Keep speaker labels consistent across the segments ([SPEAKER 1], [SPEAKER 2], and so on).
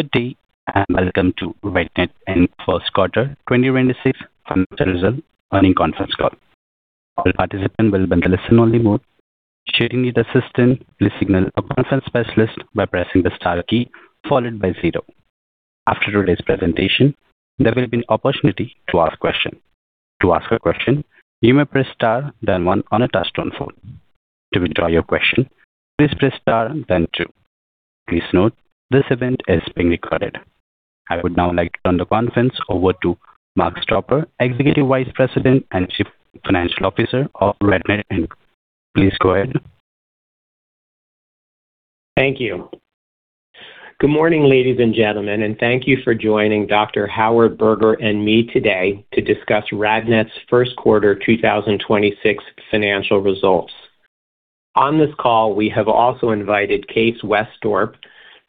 [SPEAKER 1] Good day, and welcome to RadNet, Inc. first quarter 2026 financial results earnings conference call. I would now like to turn the conference over to Mark Stolper, Executive Vice President and Chief Financial Officer of RadNet, Inc. Please go ahead.
[SPEAKER 2] Thank you. Good morning, ladies and gentlemen, thank you for joining Dr. Howard Berger and me today to discuss RadNet's first quarter 2026 financial results. On this call, we have also invited Kees Wesdorp,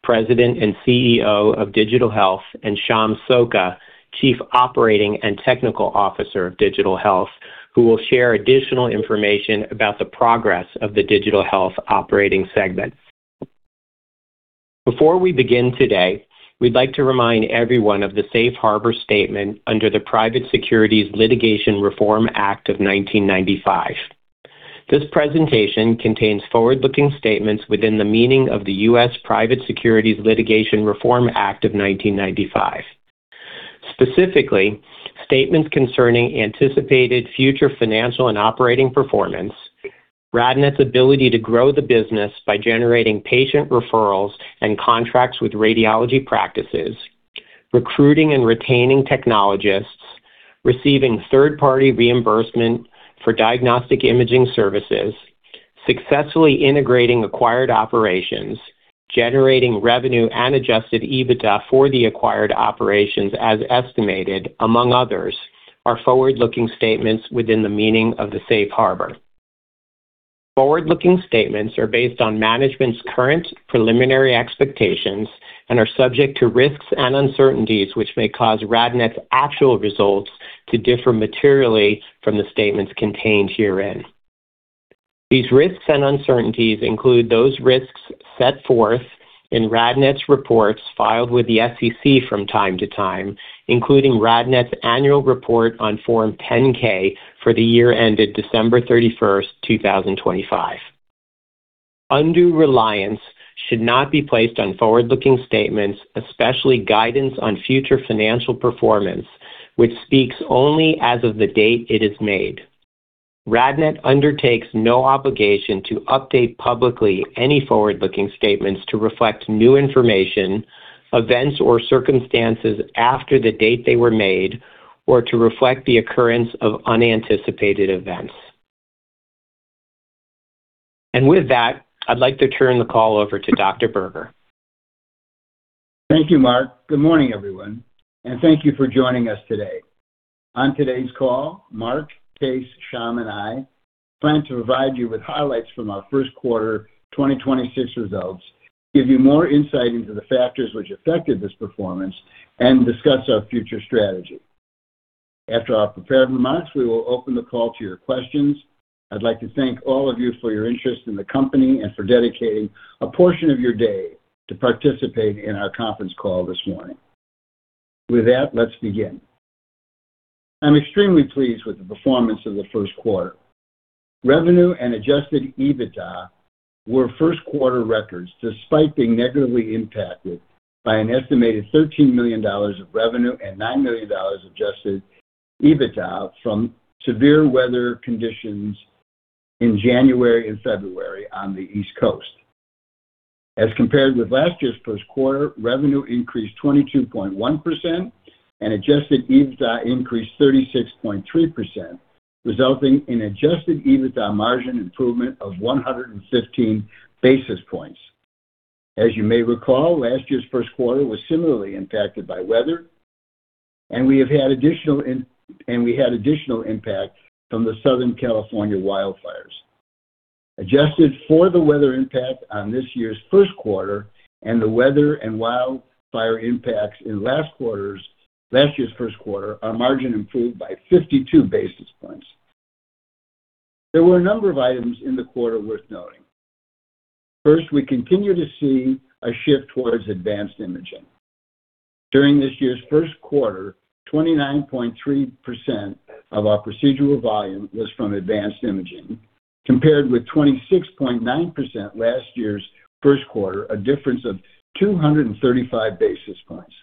[SPEAKER 2] President and CEO of Digital Health, and Sham Sokka, Chief Operating and Technical Officer of Digital Health, who will share additional information about the progress of the Digital Health operating segment. Before we begin today, we'd like to remind everyone of the safe harbor statement under the Private Securities Litigation Reform Act of 1995. This presentation contains forward-looking statements within the meaning of the U.S. Private Securities Litigation Reform Act of 1995. Specifically, statements concerning anticipated future financial and operating performance, RadNet's ability to grow the business by generating patient referrals and contracts with radiology practices, recruiting and retaining technologists, receiving third-party reimbursement for diagnostic imaging services, successfully integrating acquired operations, generating revenue and adjusted EBITDA for the acquired operations as estimated, among others, are forward-looking statements within the meaning of the safe harbor. Forward-looking statements are based on management's current preliminary expectations and are subject to risks and uncertainties which may cause RadNet's actual results to differ materially from the statements contained herein. These risks and uncertainties include those risks set forth in RadNet's reports filed with the SEC from time to time, including RadNet's annual report on Form 10-K for the year ended December 31st, 2025. Undue reliance should not be placed on forward-looking statements, especially guidance on future financial performance, which speaks only as of the date it is made. RadNet undertakes no obligation to update publicly any forward-looking statements to reflect new information, events or circumstances after the date they were made or to reflect the occurrence of unanticipated events. With that, I'd like to turn the call over to Dr. Berger.
[SPEAKER 3] Thank you, Mark. Good morning, everyone, and thank you for joining us today. On today's call, Mark, Kees, Sham, and I plan to provide you with highlights from our first quarter 2026 results, give you more insight into the factors which affected this performance, and discuss our future strategy. After our prepared remarks, we will open the call to your questions. I'd like to thank all of you for your interest in the company and for dedicating a portion of your day to participate in our conference call this morning. With that, let's begin. I'm extremely pleased with the performance of the first quarter. Revenue and adjusted EBITDA were first quarter records, despite being negatively impacted by an estimated $13 million of revenue and $9 million adjusted EBITDA from severe weather conditions in January and February on the East Coast. As compared with last year's first quarter, revenue increased 22.1% and adjusted EBITDA increased 36.3%, resulting in adjusted EBITDA margin improvement of 115 basis points. As you may recall, last year's first quarter was similarly impacted by weather, and we had additional impact from the Southern California wildfires. Adjusted for the weather impact on this year's first quarter and the weather and wildfire impacts in last year's first quarter, our margin improved by 52 basis points. There were a number of items in the quarter worth noting. First, we continue to see a shift towards advanced imaging. During this year's first quarter, 29.3% of our procedural volume was from advanced imaging, compared with 26.9% last year's first quarter, a difference of 235 basis points.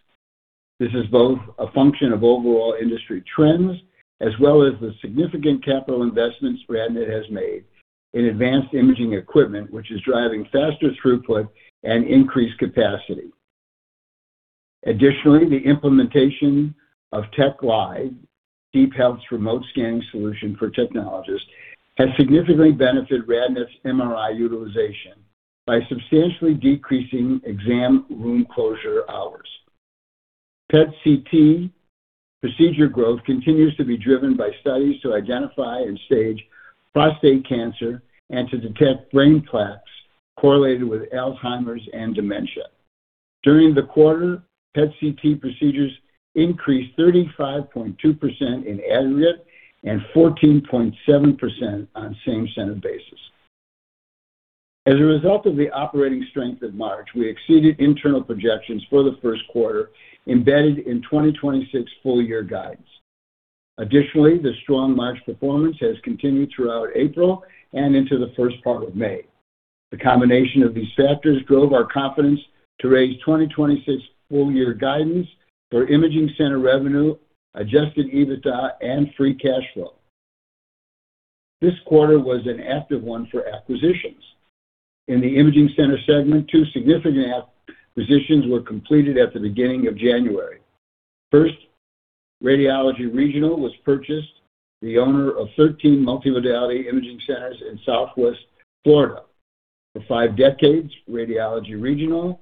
[SPEAKER 3] This is both a function of overall industry trends as well as the significant capital investments RadNet has made in advanced imaging equipment, which is driving faster throughput and increased capacity. Additionally, the implementation of TechLive, DeepHealth's remote scanning solution for technologists, has significantly benefited RadNet's MRI utilization by substantially decreasing exam room closure hours. PET/CT procedure growth continues to be driven by studies to identify and stage prostate cancer and to detect brain plaques correlated with Alzheimer's and dementia. During the quarter, PET/CT procedures increased 35.2% in aggregate and 14.7% on same-center basis. As a result of the operating strength of March, we exceeded internal projections for the first quarter embedded in 2026 full year guidance. Additionally, the strong March performance has continued throughout April and into the first part of May. The combination of these factors drove our confidence to raise 2026 full year guidance for imaging center revenue, adjusted EBITDA, and free cash flow. This quarter was an active one for acquisitions. In the imaging center segment, two significant acquisitions were completed at the beginning of January. First, Radiology Regional was purchased, the owner of 13 multimodality imaging centers in Southwest Florida. For five decades, Radiology Regional,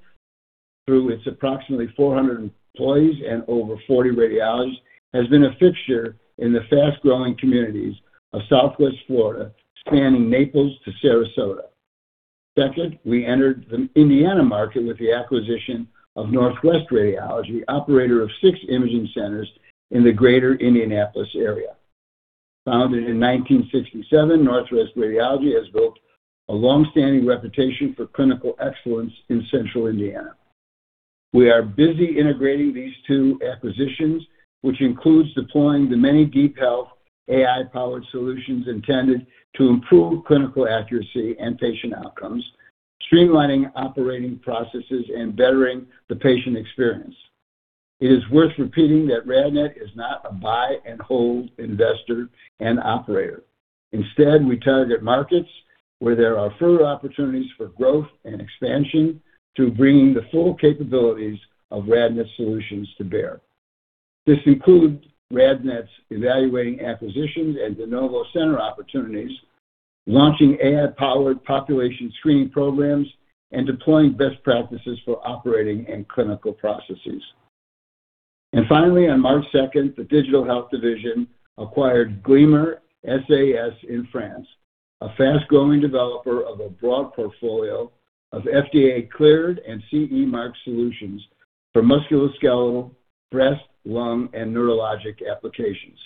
[SPEAKER 3] through its approximately 400 employees and over 40 radiologists, has been a fixture in the fast-growing communities of Southwest Florida, spanning Naples to Sarasota. Second, we entered the Indiana market with the acquisition of Northwest Radiology, operator of six imaging centers in the Greater Indianapolis area. Founded in 1967, Northwest Radiology has built a long-standing reputation for clinical excellence in Central Indiana. We are busy integrating these two acquisitions, which includes deploying the many DeepHealth AI-powered solutions intended to improve clinical accuracy and patient outcomes, streamlining operating processes, and bettering the patient experience. It is worth repeating that RadNet is not a buy and hold investor and operator. Instead, we target markets where there are further opportunities for growth and expansion to bring the full capabilities of RadNet solutions to bear. This includes RadNet's evaluating acquisitions and De Novo Center opportunities, launching AI-powered population screening programs, and deploying best practices for operating and clinical processes. Finally, on March 2nd, the Digital Health division acquired Gleamer SAS in France, a fast-growing developer of a broad portfolio of FDA-cleared and CE mark solutions for musculoskeletal, breast, lung, and neurologic applications.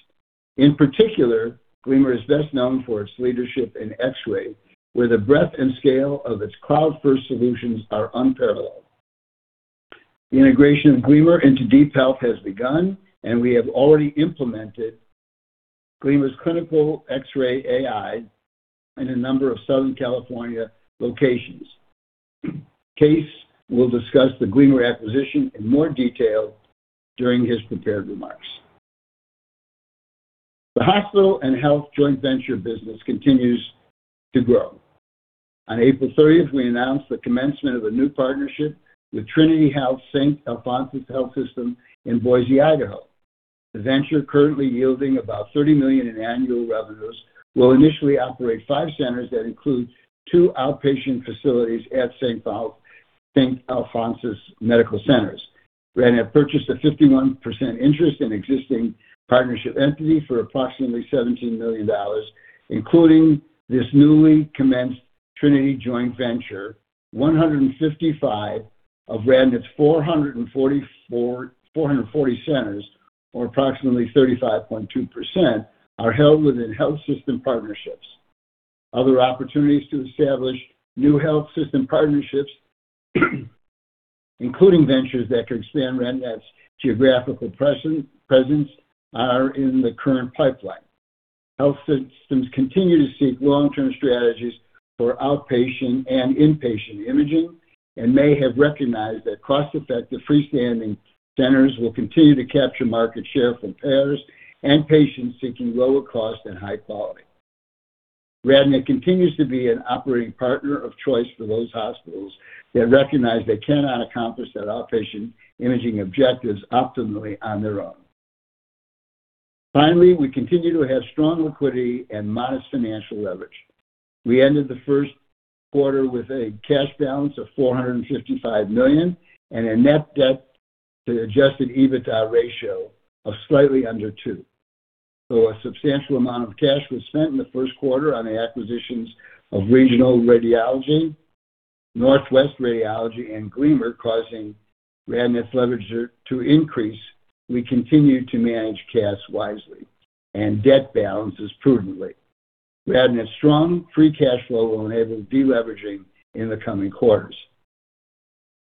[SPEAKER 3] In particular, Gleamer is best known for its leadership in X-ray, where the breadth and scale of its cloud-first solutions are unparalleled. The integration of Gleamer into DeepHealth has begun, and we have already implemented Gleamer's clinical X-ray AI in a number of Southern California locations. Kees will discuss the Gleamer acquisition in more detail during his prepared remarks. The hospital and health joint venture business continues to grow. On April 30th, we announced the commencement of a new partnership with Trinity Health Saint Alphonsus Health System in Boise, Idaho. The venture, currently yielding about $30 million in annual revenues, will initially operate five centers that include two outpatient facilities at Saint Alphonsus Medical Centers. RadNet purchased a 51% interest in existing partnership entity for approximately $17 million, including this newly commenced Trinity joint venture, 155 of RadNet's 444 centers, or approximately 35.2%, are held within health system partnerships. Other opportunities to establish new health system partnerships, including ventures that could expand RadNet's geographical presence, are in the current pipeline. Health systems continue to seek long-term strategies for outpatient and inpatient imaging and may have recognized that cost-effective freestanding centers will continue to capture market share from payers and patients seeking lower cost and high quality. RadNet continues to be an operating partner of choice for those hospitals that recognize they cannot accomplish their outpatient imaging objectives optimally on their own. We continue to have strong liquidity and modest financial leverage. We ended the first quarter with a cash balance of $455 million and a net debt to adjusted EBITDA ratio of slightly under 2x. Though a substantial amount of cash was spent in the first quarter on the acquisitions of Radiology Regional, Northwest Radiology and Gleamer, causing RadNet's leverage to increase, we continue to manage cash wisely and debt balances prudently. RadNet's strong free cash flow will enable deleveraging in the coming quarters.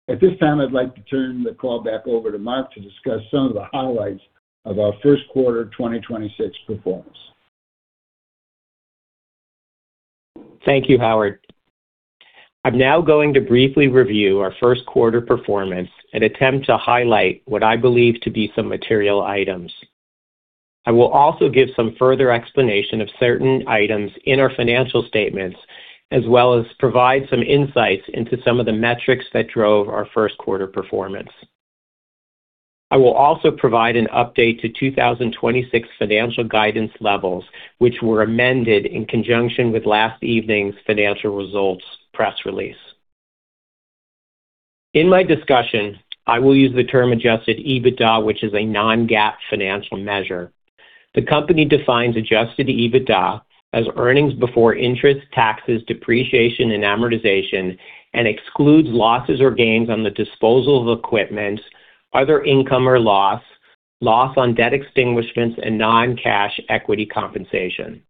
[SPEAKER 3] At this time, I'd like to turn the call back over to Mark to discuss some of the highlights of our first quarter of 2026 performance.
[SPEAKER 2] Thank you, Howard. I'm now going to briefly review our first quarter performance and attempt to highlight what I believe to be some material items. I will also give some further explanation of certain items in our financial statements, as well as provide some insights into some of the metrics that drove our first quarter performance. I will also provide an update to 2026 financial guidance levels, which were amended in conjunction with last evening's financial results press release. In my discussion, I will use the term adjusted EBITDA, which is a non-GAAP financial measure. The company defines adjusted EBITDA as earnings before interest, taxes, depreciation and amortization, and excludes losses or gains on the disposal of equipment, other income or loss on debt extinguishments and non-cash equity compensation.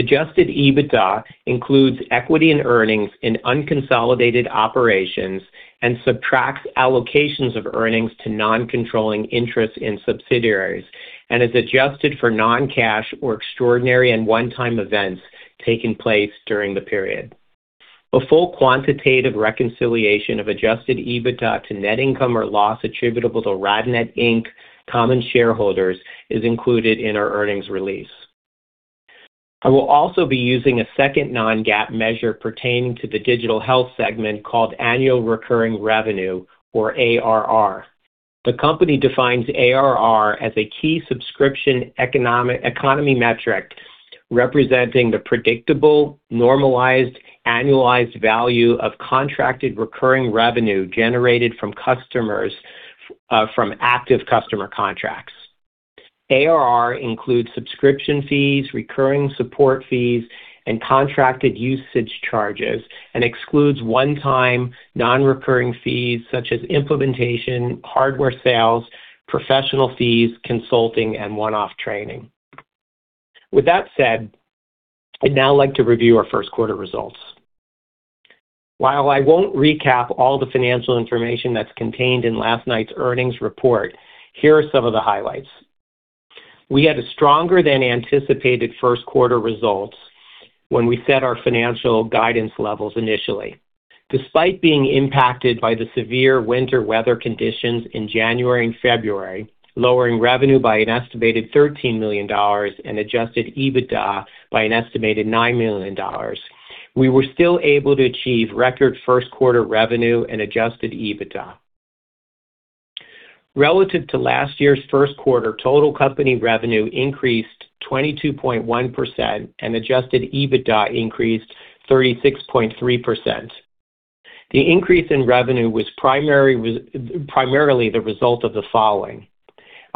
[SPEAKER 2] Adjusted EBITDA includes equity and earnings in unconsolidated operations and subtracts allocations of earnings to non-controlling interests in subsidiaries and is adjusted for non-cash or extraordinary and one-time events taking place during the period. A full quantitative reconciliation of Adjusted EBITDA to net income or loss attributable to RadNet, Inc. common shareholders is included in our earnings release. I will also be using a second non-GAAP measure pertaining to the Digital Health segment called annual recurring revenue, or ARR. The company defines ARR as a key subscription economic, economy metric representing the predictable, normalized, annualized value of contracted recurring revenue generated from customers, from active customer contracts. ARR includes subscription fees, recurring support fees, and contracted usage charges, and excludes one-time non-recurring fees such as implementation, hardware sales, professional fees, consulting, and one-off training. With that said, I'd now like to review our first quarter results. While I won't recap all the financial information that's contained in last night's earnings report, here are some of the highlights. We had a stronger than anticipated first quarter results when we set our financial guidance levels initially. Despite being impacted by the severe winter weather conditions in January and February, lowering revenue by an estimated $13 million and adjusted EBITDA by an estimated $9 million, we were still able to achieve record first quarter revenue and adjusted EBITDA. Relative to last year's first quarter, total company revenue increased 22.1% and adjusted EBITDA increased 36.3%. The increase in revenue was primarily the result of the following: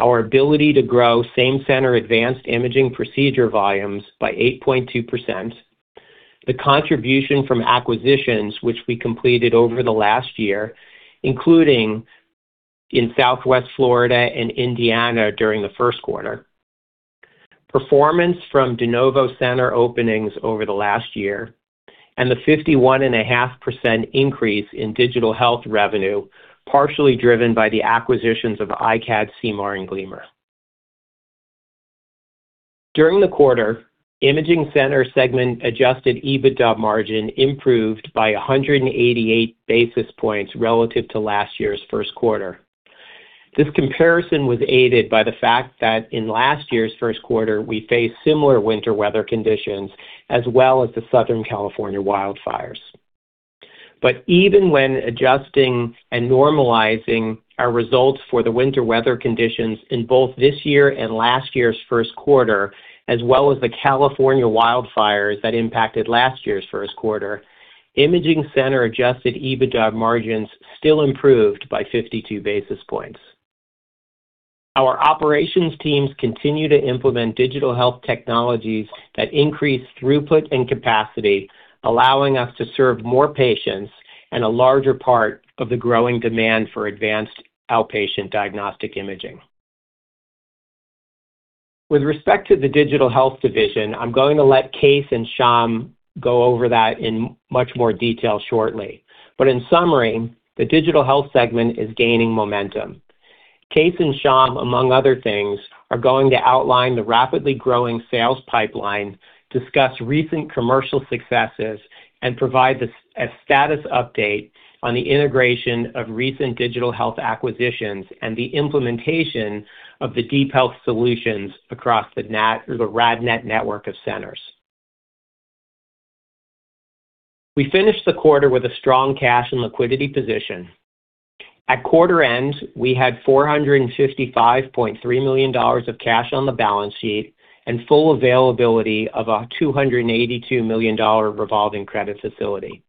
[SPEAKER 2] Our ability to grow same center advanced imaging procedure volumes by 8.2%, the contribution from acquisitions which we completed over the last year, including in Southwest Florida and Indiana during the first quarter. Performance from De Novo Center openings over the last year, and the 51.5% increase in Digital Health revenue, partially driven by the acquisitions of iCAD, CIMAR and Gleamer. During the quarter, imaging center segment adjusted EBITDA margin improved by 188 basis points relative to last year's first quarter. This comparison was aided by the fact that in last year's first quarter, we faced similar winter weather conditions as well as the Southern California wildfires. Even when adjusting and normalizing our results for the winter weather conditions in both this year and last year's first quarter, as well as the California wildfires that impacted last year's first quarter, imaging center adjusted EBITDA margins still improved by 52 basis points. Our operations teams continue to implement Digital Health technologies that increase throughput and capacity, allowing us to serve more patients and a larger part of the growing demand for advanced outpatient diagnostic imaging. With respect to the Digital Health division, I'm going to let Kees and Sham go over that in much more detail shortly. In summary, the Digital Health segment is gaining momentum. Kees and Sham, among other things, are going to outline the rapidly growing sales pipeline, discuss recent commercial successes, and provide a status update on the integration of recent Digital Health acquisitions and the implementation of the DeepHealth solutions across the RadNet network of centers. We finished the quarter with a strong cash and liquidity position. At quarter end, we had $455.3 million of cash on the balance sheet and full availability of a $282 million revolving credit facility.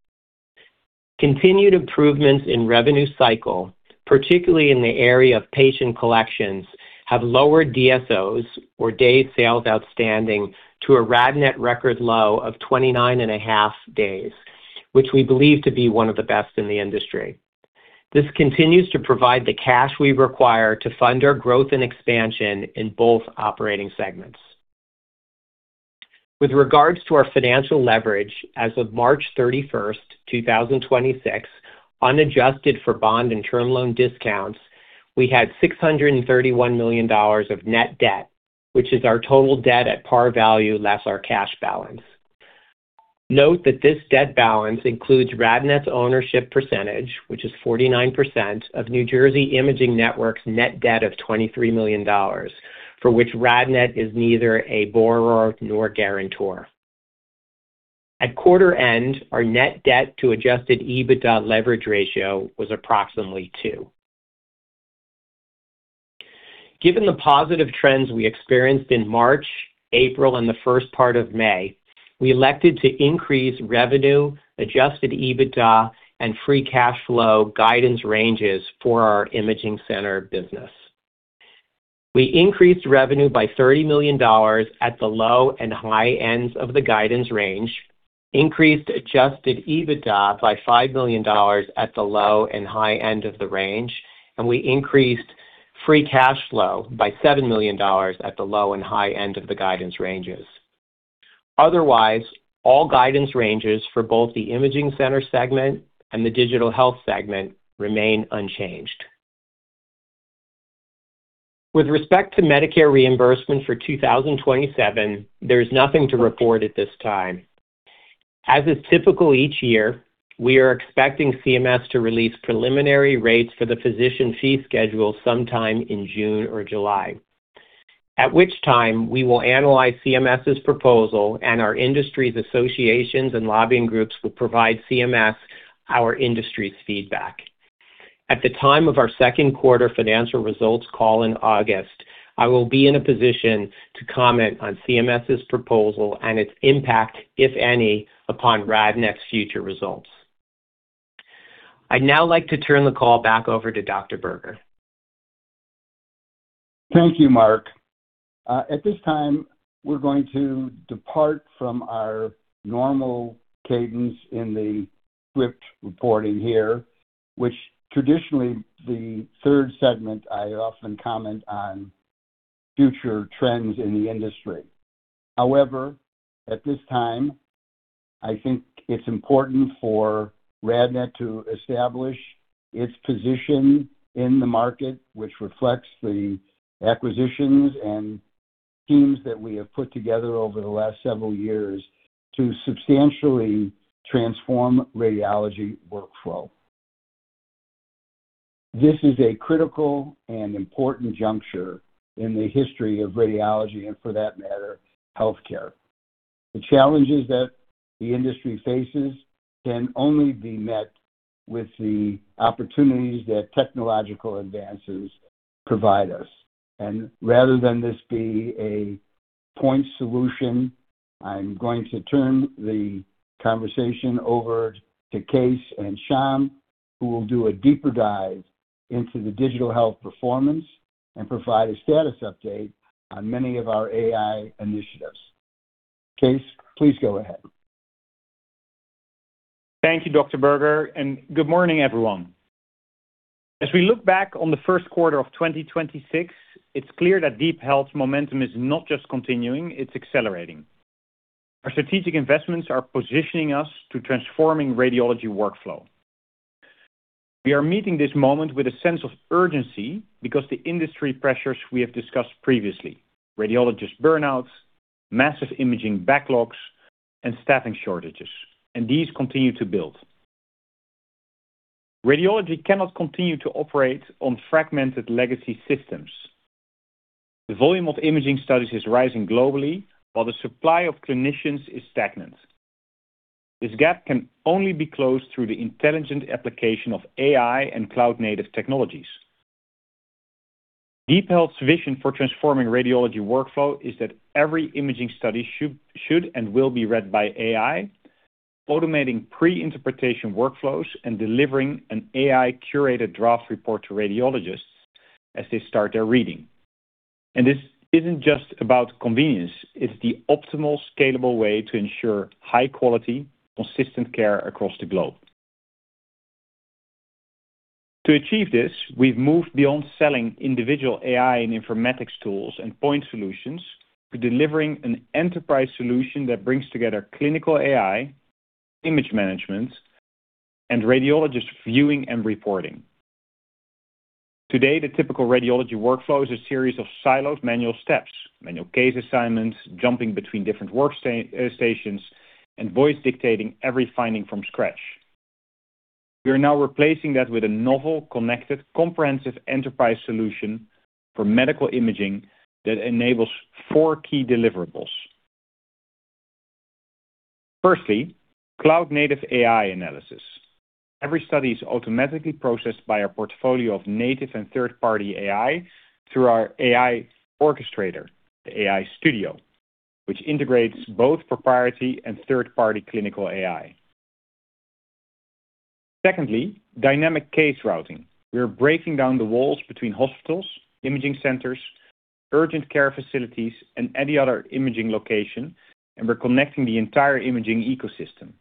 [SPEAKER 2] Continued improvements in revenue cycle, particularly in the area of patient collections, have lowered DSOs or days sales outstanding to a RadNet record low of 29.5 days, which we believe to be one of the best in the industry. This continues to provide the cash we require to fund our growth and expansion in both operating segments. With regards to our financial leverage, as of March 31st, 2026, unadjusted for bond and term loan discounts, we had $631 million of net debt, which is our total debt at par value less our cash balance. Note that this debt balance includes RadNet's ownership percentage, which is 49% of New Jersey Imaging Network's net debt of $23 million, for which RadNet is neither a borrower nor guarantor. At quarter end, our net debt to adjusted EBITDA leverage ratio was approximately 2x. Given the positive trends we experienced in March, April, and the first part of May, we elected to increase revenue, adjusted EBITDA, and free cash flow guidance ranges for our imaging center business. We increased revenue by $30 million at the low and high ends of the guidance range, increased adjusted EBITDA by $5 million at the low and high end of the range, we increased free cash flow by $7 million at the low and high end of the guidance ranges. Otherwise, all guidance ranges for both the imaging center segment and the Digital Health segment remain unchanged. With respect to Medicare reimbursement for 2027, there's nothing to report at this time. As is typical each year, we are expecting CMS to release preliminary rates for the Physician Fee Schedule sometime in June or July, at which time we will analyze CMS's proposal, our industry's associations and lobbying groups will provide CMS our industry's feedback. At the time of our second quarter financial results call in August, I will be in a position to comment on CMS's proposal and its impact, if any, upon RadNet's future results. I'd now like to turn the call back over to Dr. Berger.
[SPEAKER 3] Thank you, Mark. At this time, we're going to depart from our normal cadence in the script reporting here, which traditionally the third segment I often comment on future trends in the industry. At this time, I think it's important for RadNet to establish its position in the market, which reflects the acquisitions and teams that we have put together over the last several years to substantially transform radiology workflow. This is a critical and important juncture in the history of radiology and for that matter, healthcare. The challenges that the industry faces can only be met with the opportunities that technological advances provide us. Rather than this be a point solution, I'm going to turn the conversation over to Kees and Sham, who will do a deeper dive into the Digital Health performance and provide a status update on many of our AI initiatives. Kees, please go ahead.
[SPEAKER 4] Thank you, Dr. Berger. Good morning, everyone. As we look back on the first quarter of 2026, it's clear that DeepHealth's momentum is not just continuing, it's accelerating. Our strategic investments are positioning us to transforming radiology workflow. We are meeting this moment with a sense of urgency because the industry pressures we have discussed previously, radiologist burnouts, massive imaging backlogs, and staffing shortages, and these continue to build. Radiology cannot continue to operate on fragmented legacy systems. The volume of imaging studies is rising globally while the supply of clinicians is stagnant. This gap can only be closed through the intelligent application of AI and cloud-native technologies. DeepHealth's vision for transforming radiology workflow is that every imaging study should and will be read by AI. Automating pre-interpretation workflows and delivering an AI-curated draft report to radiologists as they start their reading. This isn't just about convenience, it's the optimal, scalable way to ensure high quality, consistent care across the globe. To achieve this, we've moved beyond selling individual AI and informatics tools and point solutions to delivering an enterprise solution that brings together clinical AI, image management, and radiologist viewing and reporting. Today, the typical radiology workflow is a series of siloed manual steps. Manual case assignments, jumping between different work stations, and voice dictating every finding from scratch. We are now replacing that with a novel, connected, comprehensive enterprise solution for medical imaging that enables four key deliverables. Firstly, cloud-native AI analysis. Every study is automatically processed by our portfolio of native and third-party AI through our AI orchestrator, the AI Studio, which integrates both proprietary and third-party clinical AI. Secondly, dynamic case routing. We are breaking down the walls between hospitals, imaging centers, urgent care facilities, and any other imaging location, and we're connecting the entire imaging ecosystem.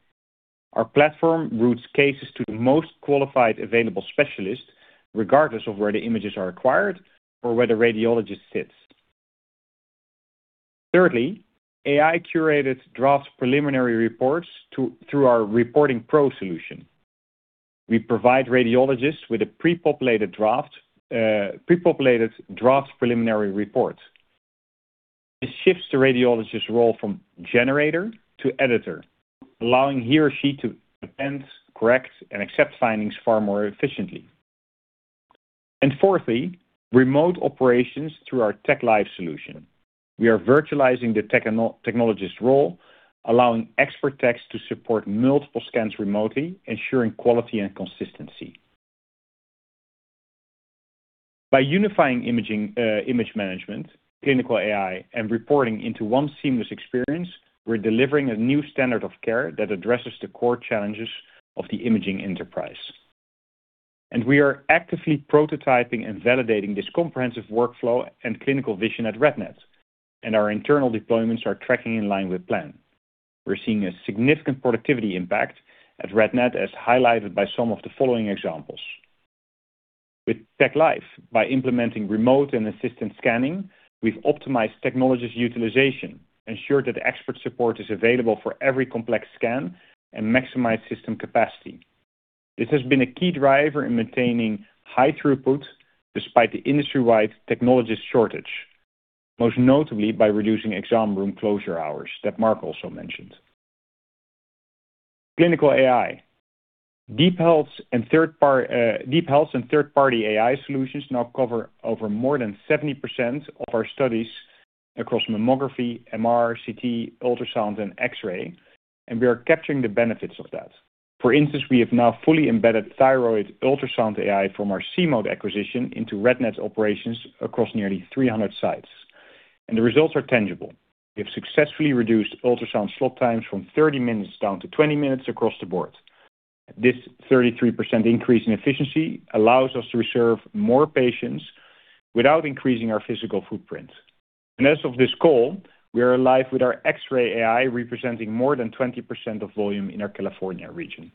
[SPEAKER 4] Our platform routes cases to the most qualified available specialist, regardless of where the images are acquired or where the radiologist sits. Thirdly, AI-curated drafts preliminary reports through our Reporting Pro solution. We provide radiologists with a pre-populated draft preliminary report. This shifts the radiologist's role from generator to editor, allowing he or she to amend, correct, and accept findings far more efficiently. Fourthly, remote operations through our TechLive solution. We are virtualizing the technologist role, allowing expert techs to support multiple scans remotely, ensuring quality and consistency. By unifying image management, clinical AI, and reporting into one seamless experience, we're delivering a new standard of care that addresses the core challenges of the imaging enterprise. We are actively prototyping and validating this comprehensive workflow and clinical vision at RadNet, and our internal deployments are tracking in line with plan. We are seeing a significant productivity impact at RadNet, as highlighted by some of the following examples. With TechLive, by implementing remote and assistant scanning, we've optimized technologist utilization, ensured that expert support is available for every complex scan, and maximized system capacity. This has been a key driver in maintaining high throughput despite the industry-wide technologist shortage, most notably by reducing exam room closure hours that Mark also mentioned. Clinical AI; DeepHealth and third-party AI solutions now cover over more than 70% of our studies across mammography, MRI, CT, ultrasound, and X-ray, and we are capturing the benefits of that. For instance, we have now fully embedded thyroid ultrasound AI from our See-Mode acquisition into RadNet's operations across nearly 300 sites, and the results are tangible. We have successfully reduced ultrasound slot times from 30 minutes down to 20 minutes across the board. This 33% increase in efficiency allows us to serve more patients without increasing our physical footprint. As of this call, we are live with our X-ray AI, representing more than 20% of volume in our California region.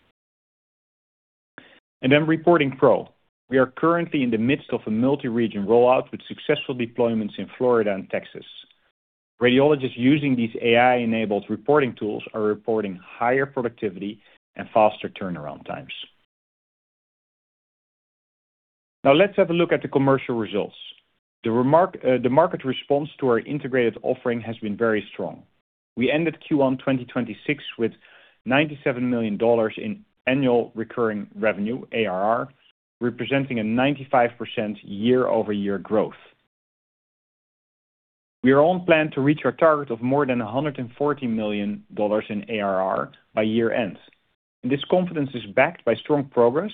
[SPEAKER 4] Reporting Pro; we are currently in the midst of a multi-region rollout with successful deployments in Florida and Texas. Radiologists using these AI-enabled reporting tools are reporting higher productivity and faster turnaround times. Now let's have a look at the commercial results. The market response to our integrated offering has been very strong. We ended Q1 2026 with $97 million in annual recurring revenue, ARR, representing a 95% year-over-year growth. We are on plan to reach our target of more than $114 million in ARR by year-end. This confidence is backed by strong progress,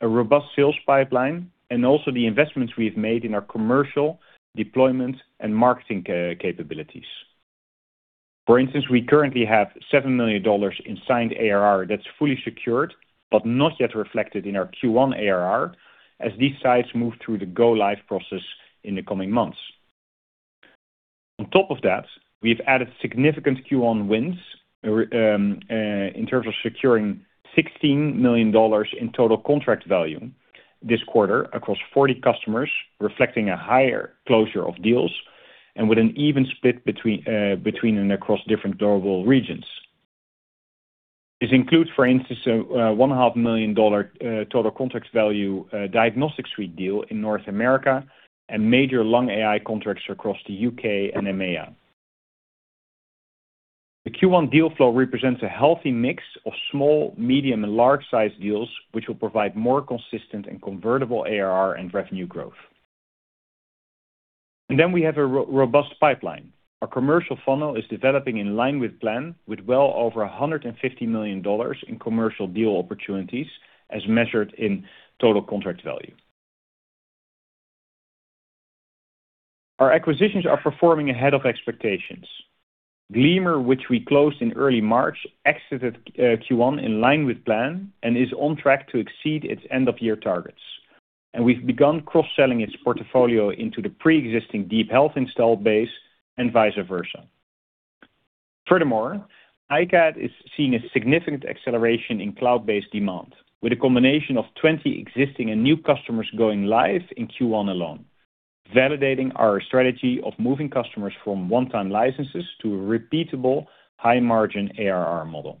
[SPEAKER 4] a robust sales pipeline, and also the investments we've made in our commercial, deployment, and marketing capabilities. For instance, we currently have $7 million in signed ARR that's fully secured but not yet reflected in our Q1 ARR as these sites move through the go-live process in the coming months. On top of that, we've added significant Q1 wins in terms of securing $16 million in total contract value this quarter across 40 customers, reflecting a higher closure of deals and with an even split between and across different durable regions. This includes, for instance, $1.5 million total contract value Diagnostic Suite deal in North America and major lung AI contracts across the U.K. and EMEA. The Q1 deal flow represents a healthy mix of small, medium, and large-sized deals, which will provide more consistent and convertible ARR and revenue growth. Then we have a robust pipeline. Our commercial funnel is developing in line with plan with well over $150 million in commercial deal opportunities as measured in total contract value. Our acquisitions are performing ahead of expectations. Gleamer, which we closed in early March, exited Q1 in line with plan and is on track to exceed its end-of-year targets. We've begun cross-selling its portfolio into the pre-existing DeepHealth install base and vice versa. Furthermore, iCAD is seeing a significant acceleration in cloud-based demand with a combination of 20 existing and new customers going live in Q1 alone, validating our strategy of moving customers from one-time licenses to a repeatable high margin ARR model.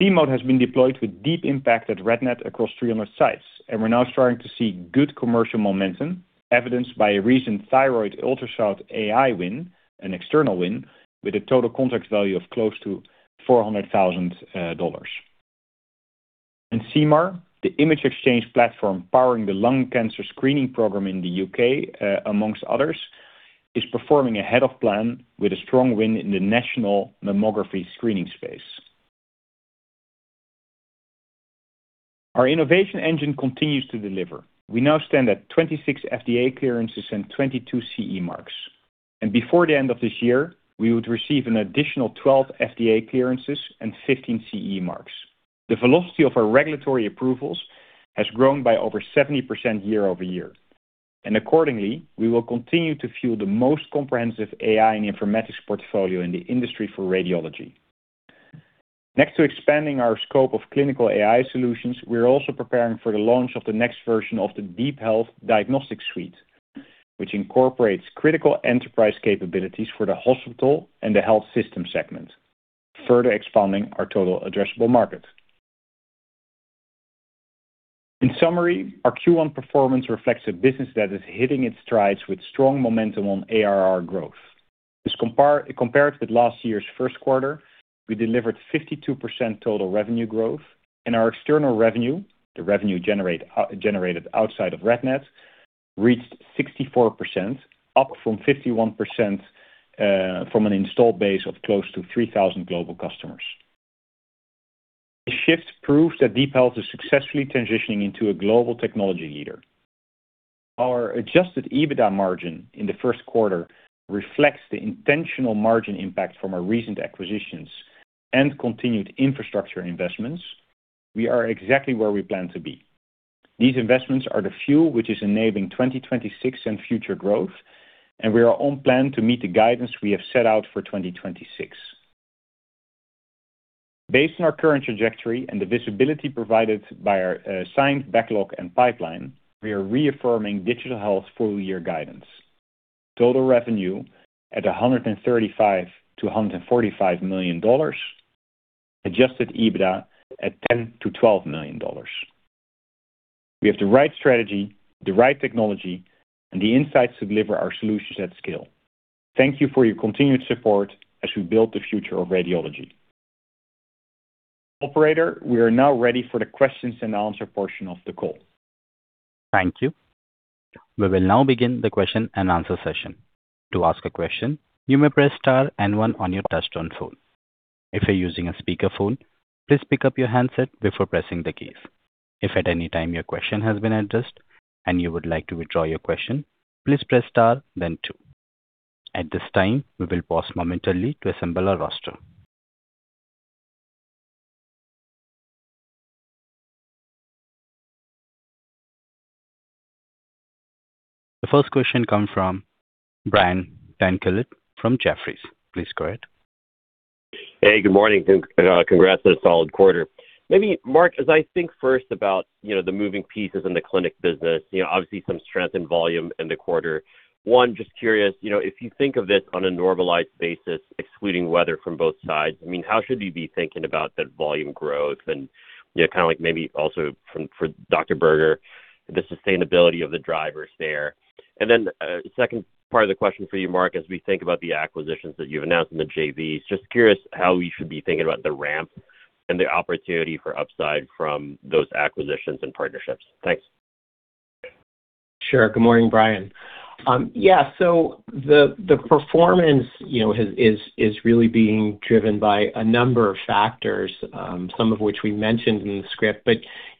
[SPEAKER 4] See-Mode has been deployed with deep impact at RadNet across 300 sites, and we're now starting to see good commercial momentum evidenced by a recent thyroid ultrasound AI win, an external win with a total contract value of close to $400,000. CIMAR, the image exchange platform powering the lung cancer screening program in the U.K., amongst others, is performing ahead of plan with a strong win in the national mammography screening space. Our innovation engine continues to deliver. We now stand at 26 FDA clearances and 22 CE marks. Before the end of this year, we would receive an additional 12 FDA clearances and 15 CE marks. The velocity of our regulatory approvals has grown by over 70% year-over-year. Accordingly, we will continue to fuel the most comprehensive AI and informatics portfolio in the industry for radiology. Next to expanding our scope of clinical AI solutions, we are also preparing for the launch of the next version of the DeepHealth Diagnostic Suite, which incorporates critical enterprise capabilities for the hospital and the health system segment, further expanding our total addressable market. In summary, our Q1 performance reflects a business that is hitting its strides with strong momentum on ARR growth. Compared with last year's first quarter, we delivered 52% total revenue growth. Our external revenue, the revenue generated outside of RadNet, reached 64%, up from 51%, from an installed base of close to 3,000 global customers. This shift proves that DeepHealth is successfully transitioning into a global technology leader. Our adjusted EBITDA margin in the first quarter reflects the intentional margin impact from our recent acquisitions and continued infrastructure investments. We are exactly where we plan to be. These investments are the fuel which is enabling 2026 and future growth, and we are on plan to meet the guidance we have set out for 2026. Based on our current trajectory and the visibility provided by our signed backlog and pipeline, we are reaffirming Digital Health full-year guidance. Total revenue at $135 million-$145 million, adjusted EBITDA at $10 million-$12 million. We have the right strategy, the right technology and the insights to deliver our solutions at scale. Thank you for your continued support as we build the future of radiology. Operator, we are now ready for the questions and answer portion of the call.
[SPEAKER 1] Thank you. We will now begin the question and answer session. To ask a question you may press star one on your touchdown phone. If you are using a speakerphone, please pick up your handset before pressing the keys. If at anytime your question has been addressed and you would like to withdraw your question, please press star then two. At this time, we will pass momentarily to assemble our roster. The first question comes from Brian Tanquilut from Jefferies. Please go ahead.
[SPEAKER 5] Good morning. Congrats on a solid quarter. Maybe Mark, as I think first about, you know, the moving pieces in the clinic business, you know, obviously some strength in volume in the quarter. One, just curious, you know, if you think of this on a normalized basis, excluding weather from both sides, I mean, how should we be thinking about that volume growth and, you know, kind of like maybe also for Dr. Berger, the sustainability of the drivers there? Second part of the question for you, Mark, as we think about the acquisitions that you've announced in the JV, just curious how we should be thinking about the ramp and the opportunity for upside from those acquisitions and partnerships. Thanks.
[SPEAKER 2] Sure. Good morning, Brian. The performance, you know, is really being driven by a number of factors, some of which we mentioned in the script.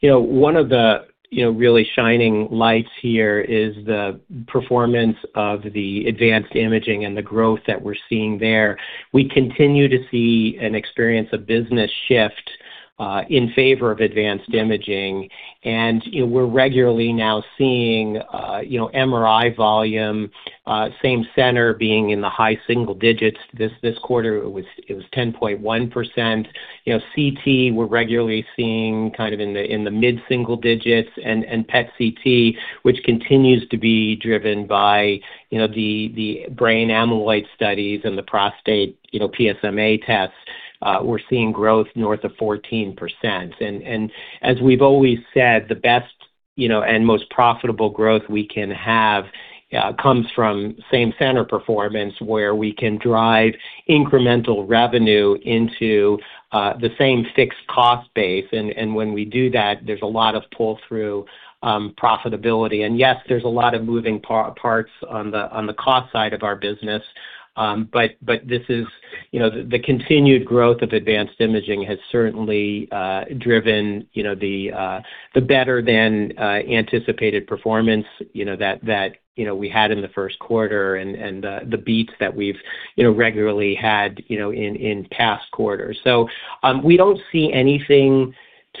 [SPEAKER 2] You know, one of the, you know, really shining lights here is the performance of the advanced imaging and the growth that we're seeing there. We continue to see and experience a business shift in favor of advanced imaging. You know, we're regularly now seeing, you know, MRI volume, same center being in the high single digits. This quarter it was 10.1%. You know, CT, we're regularly seeing kind of in the mid single digits. PET/CT, which continues to be driven by, you know, brain amyloid studies and the prostate, you know, PSMA tests, we're seeing growth north of 14%. As we've always said, the best, you know, and most profitable growth we can have, comes from same center performance where we can drive incremental revenue into the same fixed cost base. When we do that, there's a lot of pull through profitability. Yes, there's a lot of moving parts on the cost side of our business. This is, you know, the continued growth of advanced imaging has certainly driven the better than anticipated performance we had in the first quarter and the beats that we've regularly had in past quarters. We don't see anything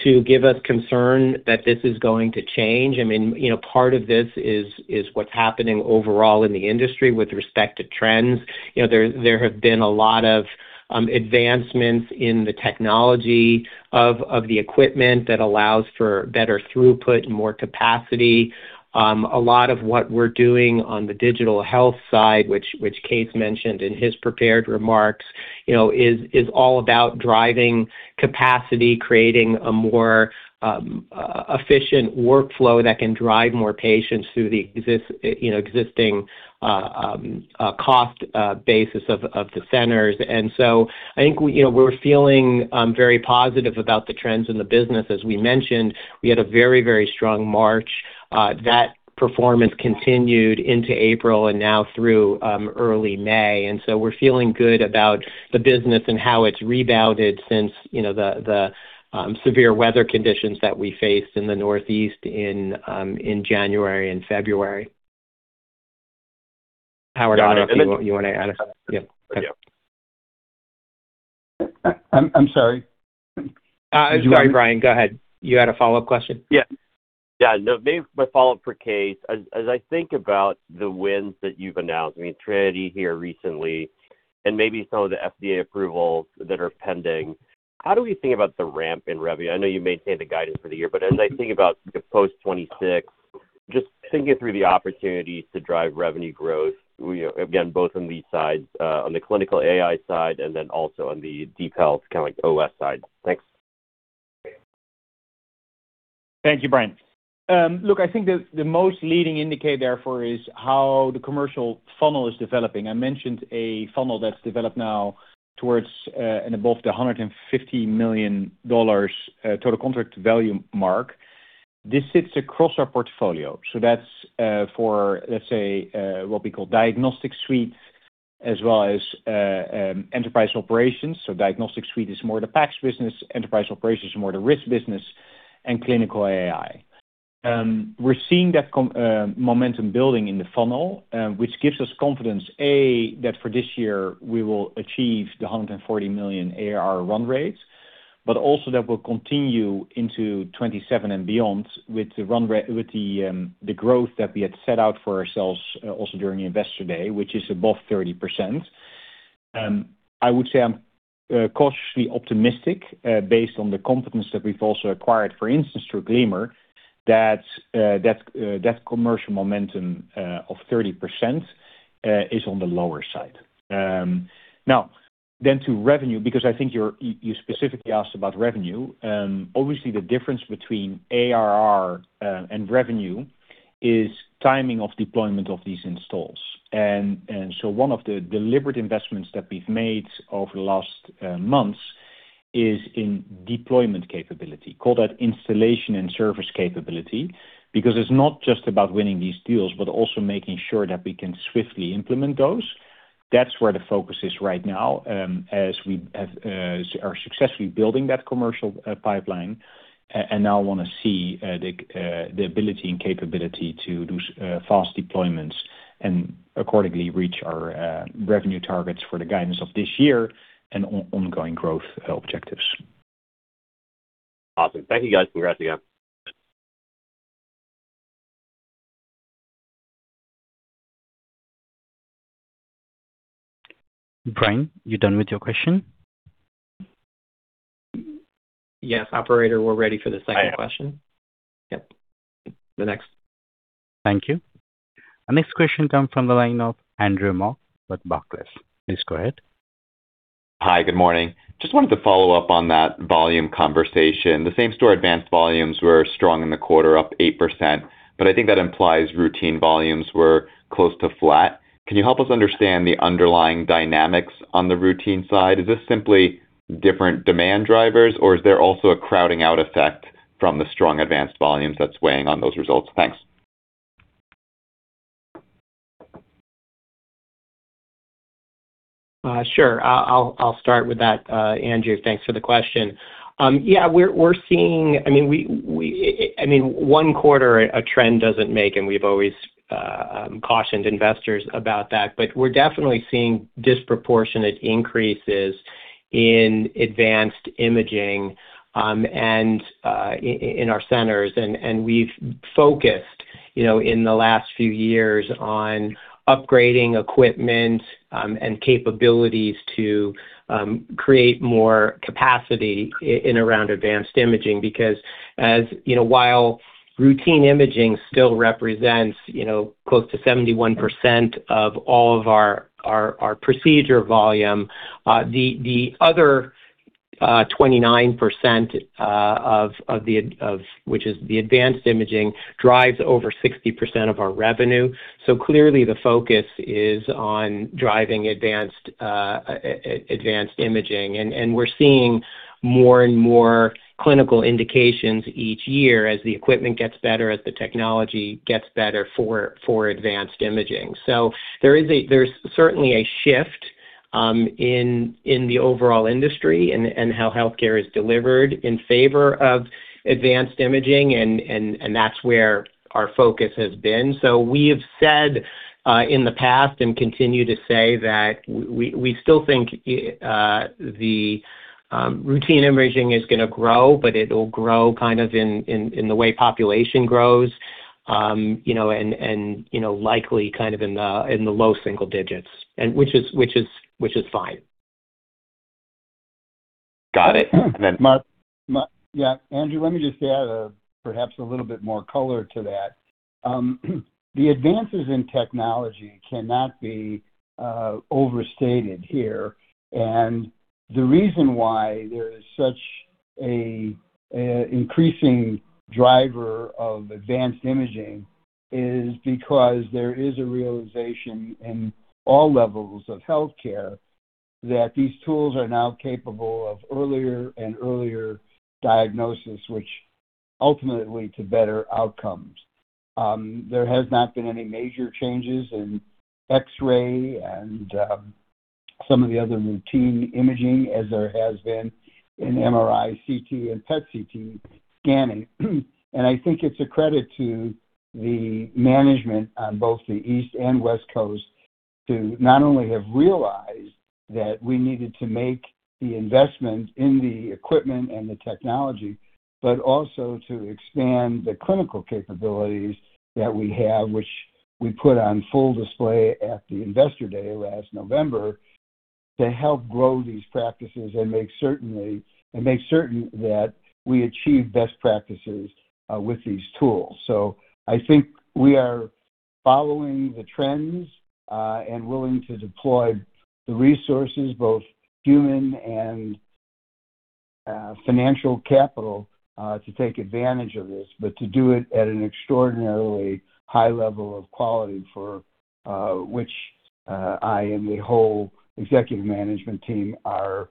[SPEAKER 2] to give us concern that this is going to change. I mean, you know, part of this is what's happening overall in the industry with respect to trends. You know, there have been a lot of advancements in the technology of the equipment that allows for better throughput and more capacity. A lot of what we're doing on the Digital Health side, which Kees mentioned in his prepared remarks, you know, is all about driving capacity, creating a more efficient workflow that can drive more patients through the existing cost basis of the centers. I think we, you know, we're feeling very positive about the trends in the business. As we mentioned, we had a very strong March, that performance continued into April and now through early May. We're feeling good about the business and how it's rebounded since, you know, the severe weather conditions that we faced in the Northeast in January and February. Howard, I don't know if you want to add. Yeah. Okay.
[SPEAKER 5] I'm sorry.
[SPEAKER 2] Sorry, Brian, go ahead. You had a follow-up question?
[SPEAKER 5] Yeah. Yeah. Maybe my follow-up for Kees. As I think about the wins that you've announced, I mean, Trinity here recently, and maybe some of the FDA approvals that are pending, how do we think about the ramp in revenue? I know you maintained the guidance for the year, as I think about post 2026, just thinking through the opportunities to drive revenue growth, you know, again, both on the sides, on the clinical AI side and then also on the DeepHealth, kind of like OS side. Thanks.
[SPEAKER 4] Thank you, Brian. Look, I think the most leading indicator therefore is how the commercial funnel is developing. I mentioned a funnel that's developed now towards and above the $150 million total contract value mark. This sits across our portfolio, so that's for, let's say, what we call Diagnostic Suite as well as Enterprise Operations. Diagnostic Suite is more the PACS business, Enterprise Operations is more the risk business and clinical AI. We're seeing that momentum building in the funnel, which gives us confidence, A, that for this year we will achieve the $140 million ARR run rates, also that will continue into 2027 and beyond with the run rate, the growth that we had set out for ourselves also during Investor Day, which is above 30%. I would say I'm cautiously optimistic, based on the confidence that we've also acquired, for instance, through Gleamer, that commercial momentum of 30% is on the lower side. Now to revenue, because I think you specifically asked about revenue. Obviously the difference between ARR and revenue is timing of deployment of these installs. So one of the deliberate investments that we've made over the last months is in deployment capability. Call that installation and service capability, because it's not just about winning these deals, but also making sure that we can swiftly implement those. That's where the focus is right now, as we have are successfully building that commercial pipeline and now wanna see the ability and capability to do fast deployments and accordingly reach our revenue targets for the guidance of this year and on-ongoing growth objectives.
[SPEAKER 5] Awesome. Thank you, guys. Congrats again.
[SPEAKER 1] Brian, you done with your question?
[SPEAKER 2] Yes, operator, we're ready for the second question.
[SPEAKER 1] All right.
[SPEAKER 2] Yep. The next.
[SPEAKER 1] Thank you. Our next question comes from the line of Andrew Mok with Barclays. Please go ahead.
[SPEAKER 6] Hi. Good morning. Just wanted to follow up on that volume conversation. The same-store advanced volumes were strong in the quarter, up 8%, but I think that implies routine volumes were close to flat. Can you help us understand the underlying dynamics on the routine side? Is this simply different demand drivers, or is there also a crowding out effect from the strong advanced volumes that's weighing on those results? Thanks.
[SPEAKER 2] Sure. I'll start with that, Andrew. Thanks for the question. Yeah, we're seeing I mean, we I mean, one quarter a trend doesn't make, and we've always cautioned investors about that. We're definitely seeing disproportionate increases in advanced imaging, and in our centers, and we've focused, you know, in the last few years on upgrading equipment, and capabilities to create more capacity in around advanced imaging. As, you know, while routine imaging still represents, you know, close to 71% of all of our procedure volume, the other 29% of which is the advanced imaging, drives over 60% of our revenue. Clearly the focus is on driving advanced imaging. We're seeing more and more clinical indications each year as the equipment gets better, as the technology gets better for advanced imaging. There's certainly a shift in the overall industry and how healthcare is delivered in favor of advanced imaging and that's where our focus has been. We have said in the past and continue to say that we still think the routine imaging is gonna grow, but it'll grow kind of in the way population grows, you know, and, you know, likely kind of in the low single digits, which is fine.
[SPEAKER 6] Got it.
[SPEAKER 3] Yeah. Yeah, Andrew, let me just add perhaps a little bit more color to that. The advances in technology cannot be overstated here. The reason why there is such a increasing driver of advanced imaging is because there is a realization in all levels of healthcare that these tools are now capable of earlier and earlier diagnosis, which ultimately to better outcomes. There has not been any major changes in X-ray and some of the other routine imaging as there has been in MRI, CT, and PET/CT scanning. I think it's a credit to the management on both the East and West Coast to not only have realized that we needed to make the investment in the equipment and the technology, but also to expand the clinical capabilities that we have, which we put on full display at the Investor Day last November, to help grow these practices and make certain that we achieve best practices with these tools. I think we are following the trends and willing to deploy the resources, both human and financial capital, to take advantage of this, but to do it at an extraordinarily high level of quality for which I and the whole executive management team are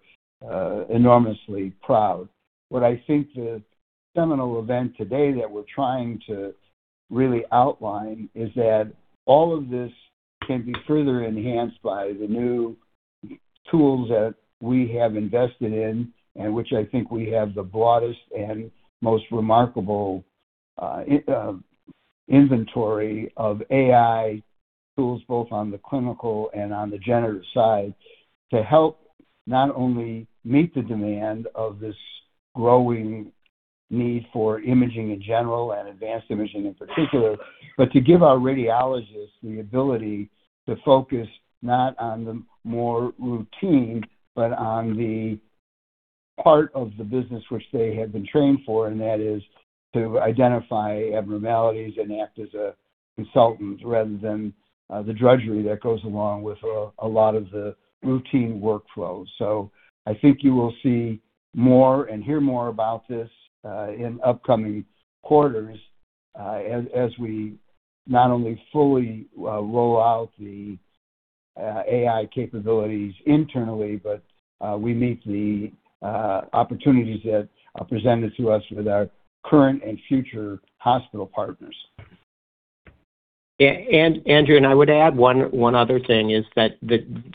[SPEAKER 3] enormously proud. What I think the seminal event today that we're trying to really outline is that all of this can be further enhanced by the new tools that we have invested in, and which I think we have the broadest and most remarkable inventory of AI tools, both on the clinical and on the generative side, to help not only meet the demand of this growing need for imaging in general and advanced imaging in particular, but to give our radiologists the ability to focus not on the more routine, but on the part of the business which they have been trained for, and that is to identify abnormalities and act as a consultant rather than the drudgery that goes along with a lot of the routine workflows. I think you will see more and hear more about this in upcoming quarters, as we not only fully roll out the AI capabilities internally, but we meet the opportunities that are presented to us with our current and future hospital partners.
[SPEAKER 2] Yeah. Andrew, I would add one other thing is that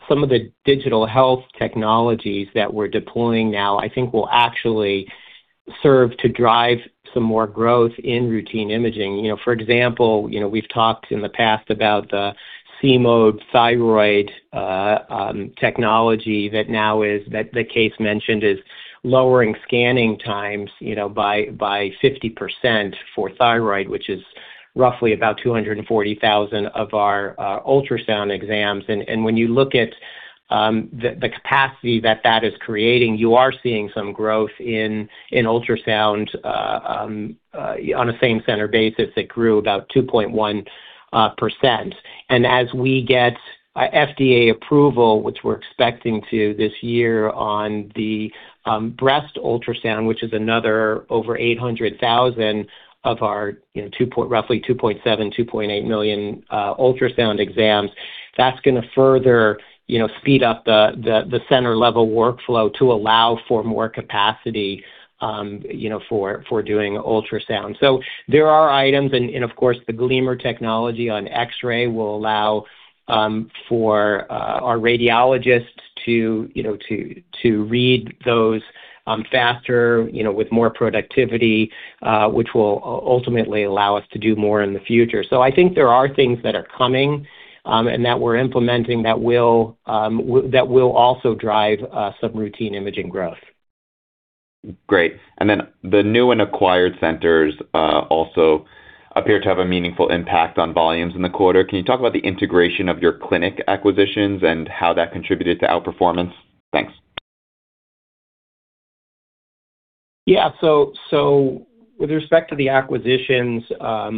[SPEAKER 2] some of the Digital Health technologies that we're deploying now will serve to drive some more growth in routine imaging. For example, we've talked in the past about the See-Mode thyroid technology that Kees mentioned is lowering scanning times by 50% for thyroid, which is roughly about 240,000 of our ultrasound exams. When you look at the capacity that that is creating, you are seeing some growth in ultrasound on a same center basis that grew about 2.1%. As we get FDA approval, which we're expecting this year on the breast ultrasound, which is another over 800,000 of our, you know, $2.7 million, roughly $2.8 million ultrasound exams, that's going to further, you know, speed up the center level workflow to allow for more capacity, you know, for doing ultrasound. There are items and of course, the Gleamer technology on X-ray will allow for our radiologists to, you know, to read those faster, you know, with more productivity, which will ultimately allow us to do more in the future. I think there are things that are coming and that we're implementing that will also drive some routine imaging growth.
[SPEAKER 6] Great. The new and acquired centers also appear to have a meaningful impact on volumes in the quarter. Can you talk about the integration of your clinic acquisitions and how that contributed to outperformance? Thanks.
[SPEAKER 2] Yeah. With respect to the acquisitions of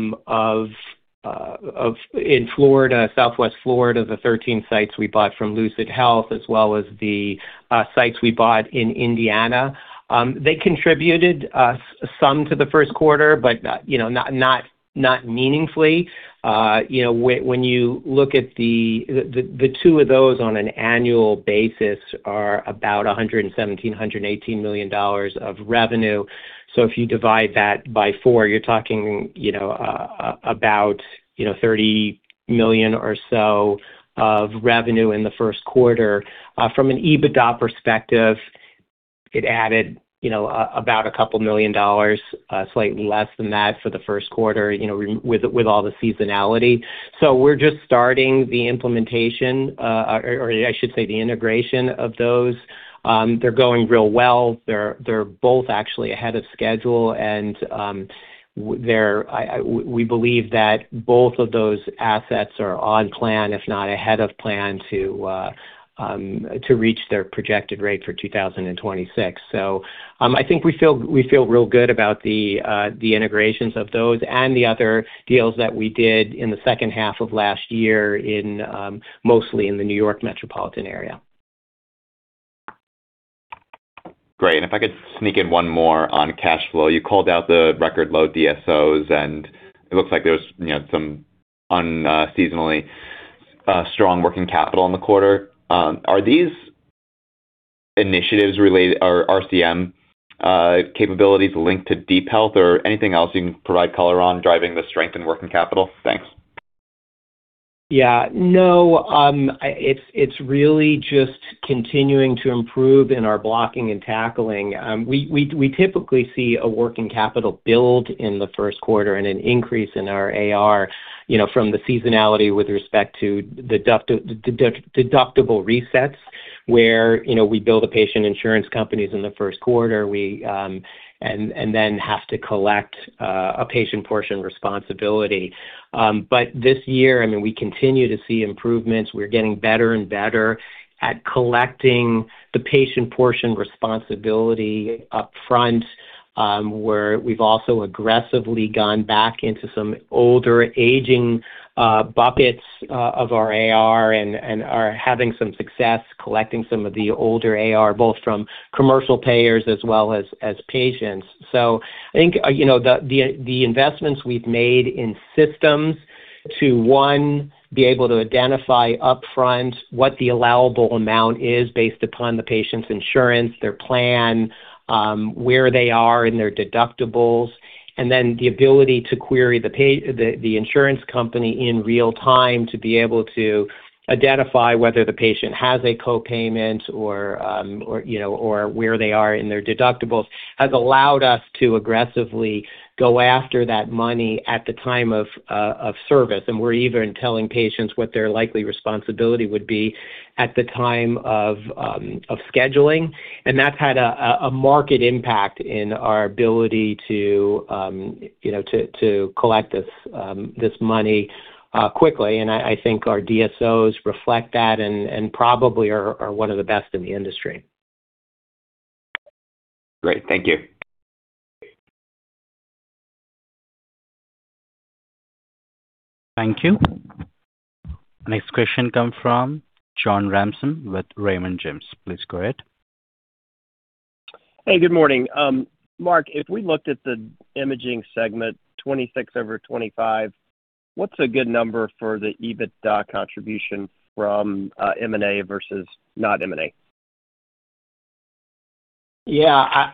[SPEAKER 2] in Florida, Southwest Florida, the 13 sites we bought from LucidHealth, as well as the sites we bought in Indiana, they contributed some to the first quarter, but you know, not meaningfully. You know, when you look at the two of those on an annual basis are about $117 million-$118 million of revenue. If you divide that by four, you're talking you know about $30 million or so of revenue in the first quarter. From an EBITDA perspective, it added you know a couple million dollars slightly less than that for the first quarter you know with all the seasonality. We're just starting the implementation, or I should say the integration of those. They're going real well. They're both actually ahead of schedule and we believe that both of those assets are on plan, if not ahead of plan, to reach their projected rate for 2026. I think we feel real good about the integrations of those and the other deals that we did in the second half of last year in mostly in the New York metropolitan area.
[SPEAKER 6] Great. If I could sneak in one more on cash flow. You called out the record low DSO, it looks like there was, you know, some unseasonally strong working capital in the quarter. Are these initiatives related or RCM capabilities linked to DeepHealth or anything else you can provide color on driving the strength in working capital? Thanks.
[SPEAKER 2] Yeah. No. It's really just continuing to improve in our blocking and tackling. We typically see a working capital build in the first quarter and an increase in our AR, you know, from the seasonality with respect to deductible resets, where, you know, we bill the patient insurance companies in the first quarter. We and then have to collect a patient portion responsibility. This year, I mean, we continue to see improvements, we're getting better and better at collecting the patient portion responsibility upfront, where we've also aggressively gone back into some older aging buckets of our AR and are having some success collecting some of the older AR, both from commercial payers as well as patients. I think, you know, the investments we've made in systems to, one, be able to identify upfront what the allowable amount is based upon the patient's insurance, their plan, where they are in their deductibles, then the ability to query the insurance company in real time to be able to identify whether the patient has a co-payment or, you know, or where they are in their deductibles, has allowed us to aggressively go after that money at the time of service. We're even telling patients what their likely responsibility would be at the time of scheduling. That's had a market impact in our ability to, you know, to collect this money quickly. I think our DSO reflect that and probably are one of the best in the industry.
[SPEAKER 6] Great. Thank you.
[SPEAKER 1] Thank you. Next question come from John Ransom with Raymond James. Please go ahead.
[SPEAKER 7] Hey, good morning. Mark, if we looked at the imaging segment, 26 over 25, what's a good number for the EBITDA contribution from M&A versus not M&A?
[SPEAKER 2] Yeah.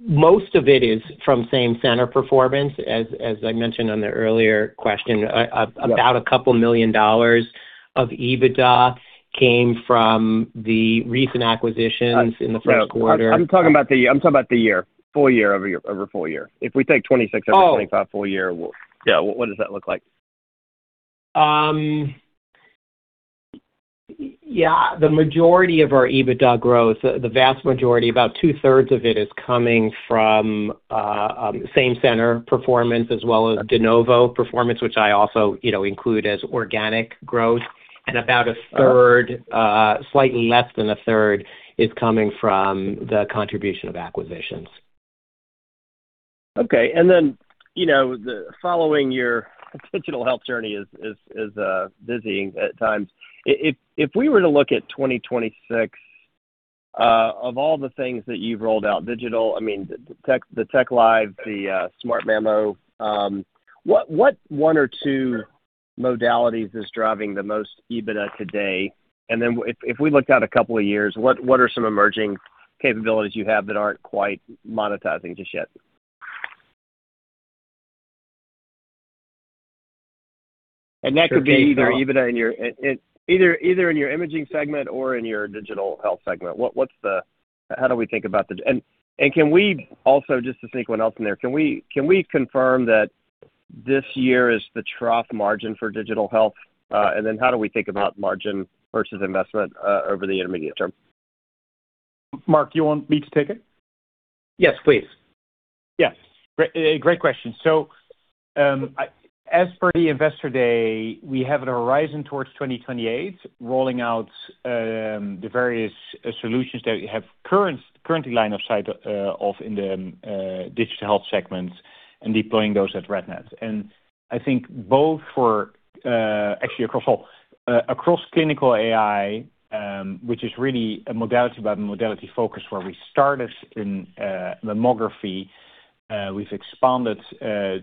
[SPEAKER 2] Most of it is from same-center performance. As I mentioned on the earlier question...
[SPEAKER 7] Yeah
[SPEAKER 2] ...about a couple million dollars of EBITDA came from the recent acquisitions...
[SPEAKER 7] I-
[SPEAKER 2] ...in the first quarter.
[SPEAKER 7] No, I'm talking about the year, full year-over-year, over full year. If we take 26.
[SPEAKER 2] Oh!
[SPEAKER 7] 2025 full year, what, yeah, what does that look like?
[SPEAKER 2] Yeah, the majority of our EBITDA growth, the vast majority, about two-thirds of it is coming from same-center performance as well as de novo performance, which I also, you know, include as organic growth. Slightly less than a third is coming from the contribution of acquisitions.
[SPEAKER 7] Okay. You know, the following your Digital Health journey is busy at times. If we were to look at 2026, of all the things that you've rolled out Digital Health, I mean, the TechLive, the SmartMammo, what one or two modalities is driving the most EBITDA today? If we looked out a couple of years, what are some emerging capabilities you have that aren't quite monetizing just yet? That could be either EBITDA in your imaging segment or in your Digital Health segment. How do we think about the Can we also, just to sneak one else in there, can we confirm that this year is the trough margin for Digital Health? How do we think about margin versus investment over the intermediate term?
[SPEAKER 4] Mark, do you want me to take it?
[SPEAKER 2] Yes, please.
[SPEAKER 4] Great, great question. As per the Investor Day, we have a horizon towards 2028 rolling out the various solutions that we have currently line of sight of in the Digital Health segment and deploying those at RadNet. I think both for actually across all across clinical AI, which is really a modality by modality focus, where we started in mammography, we've expanded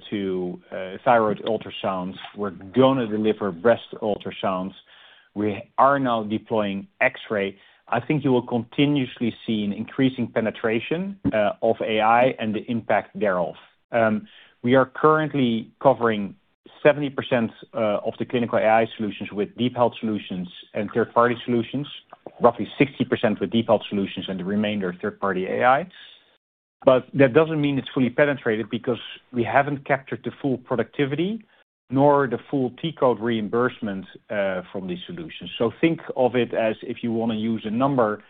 [SPEAKER 4] to thyroid ultrasounds, we are gonna deliver breast ultrasound, we are now deploying X-ray. I think you will continuously see an increasing penetration of AI and the impact thereof. We are currently covering 70% of the clinical AI solutions with DeepHealth solutions and third-party solutions, roughly 60% with DeepHealth solutions and the remainder third-party AI. That doesn't mean it's fully penetrated because we haven't captured the full productivity nor the full T-code reimbursement from these solutions. Think of it as if you wanna use a number,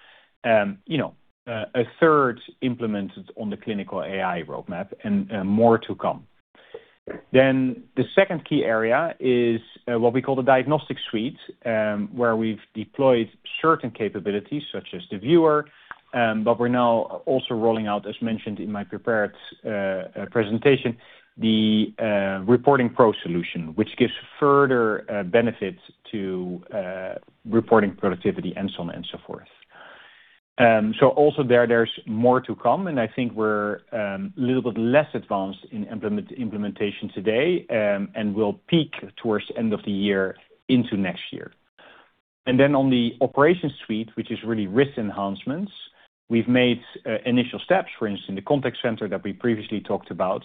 [SPEAKER 4] you know, a third implemented on the clinical AI roadmap and more to come. The second key area is what we call the Diagnostic Suite, where we've deployed certain capabilities such as the viewer, but we're now also rolling out, as mentioned in my prepared presentation, the Reporting Pro solution, which gives further benefits to reporting productivity and so on and so forth. Also there's more to come, and I think we're a little bit less advanced in implementation today, and we'll peak towards end of the year into next year. On the Operations Suite, which is really risk enhancements, we've made initial steps. For instance, the contact center that we previously talked about.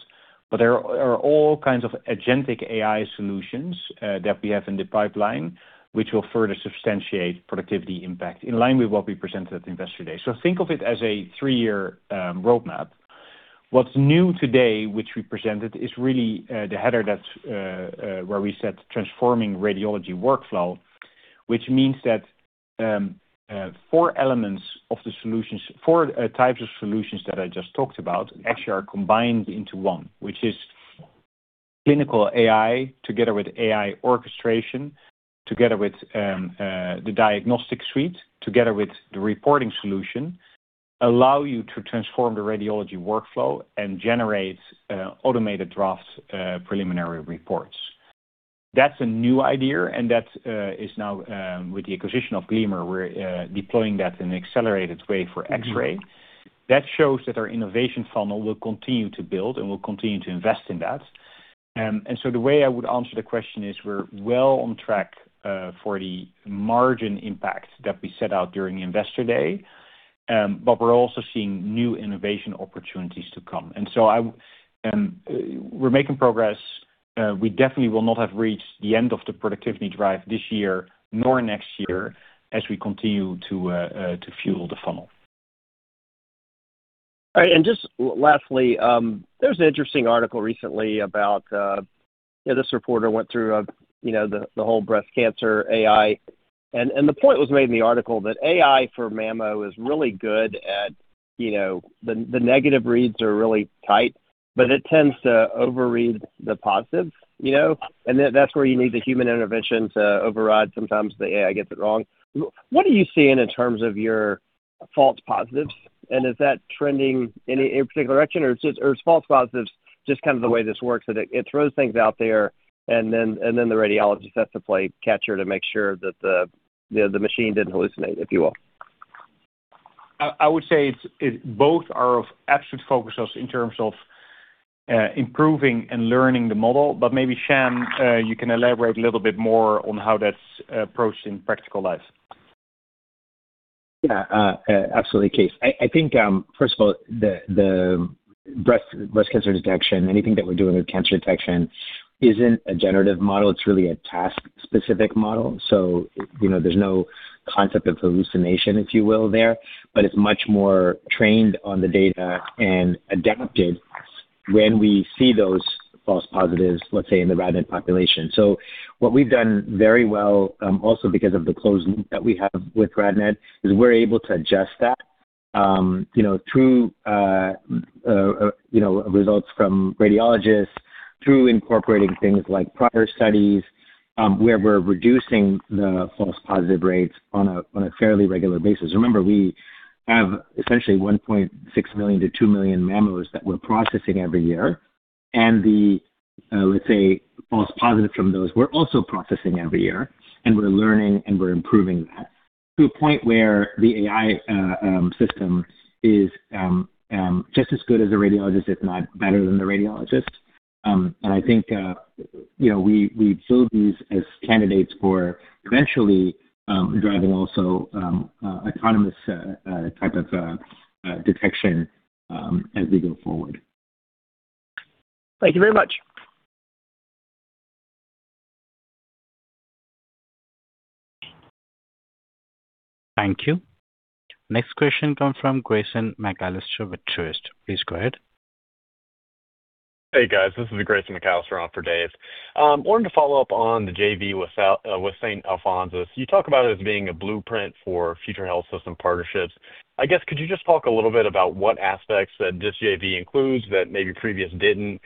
[SPEAKER 4] There are all kinds of agentic AI solutions that we have in the pipeline, which will further substantiate productivity impact in line with what we presented at Investor Day. Think of it as a 3-year roadmap. What's new today, which we presented, is really the header that's where we said transforming radiology workflow, which means that four elements of the solutions, four types of solutions that I just talked about actually are combined into one, which is clinical AI together with AI orchestration, together with the Diagnostic Suite, together with Reporting Pro, allow you to transform the radiology workflow and generate automated drafts, preliminary reports. That's a new idea, and that is now with the acquisition of Gleamer, we're deploying that in an accelerated way for X-ray. That shows that our innovation funnel will continue to build, and we'll continue to invest in that. The way I would answer the question is we're well on track for the margin impacts that we set out during Investor Day, but we're also seeing new innovation opportunities to come. We're making progress. We definitely will not have reached the end of the productivity drive this year nor next year as we continue to fuel the funnel.
[SPEAKER 7] All right. Just lastly, there's an interesting article recently about, you know, the whole breast cancer AI. The point was made in the article that AI for mammo is really good at, you know, the negative reads are really tight, but it tends to overread the positive, you know. That's where you need the human intervention to override sometimes the AI gets it wrong. What are you seeing in terms of your false positives, and is that trending any particular direction, or are false positives just kind of the way this works, that it throws things out there and then the radiologist has to play catcher to make sure that the machine didn't hallucinate, if you will?
[SPEAKER 4] I would say it's both are of absolute focus in terms of improving and learning the model. Maybe, Sham, you can elaborate a little bit more on how that's approached in practical life.
[SPEAKER 8] Yeah, absolutely, Kees. I think, first of all, the breast cancer detection, anything that we're doing with cancer detection isn't a generative model. It's really a task-specific model. You know, there's no concept of hallucination, if you will, there. It's much more trained on the data and adapted when we see those false positives, let's say, in the RadNet population. What we've done very well, also because of the close link that we have with RadNet, is we're able to adjust that, you know, through, you know, results from radiologists through incorporating things like prior studies, where we're reducing the false positive rates on a fairly regular basis. Remember, we have essentially 1.6 million to 2 million mammos that we're processing every year. The, let's say, false positive from those, we're also processing every year, and we're learning, and we're improving that to a point where the AI system is just as good as a radiologist, if not better than the radiologist. I think, you know, we build these as candidates for eventually driving also autonomous type of detection as we go forward.
[SPEAKER 7] Thank you very much.
[SPEAKER 1] Thank you. Next question come from Grayson McAllister with Truist. Please go ahead.
[SPEAKER 9] Hey, guys. This is Grayson McAllister on for Dave. Wanted to follow up on the JV with Saint Alphonsus. You talk about it as being a blueprint for future health system partnerships. I guess could you just talk a little bit about what aspects that this JV includes that maybe previous didn't?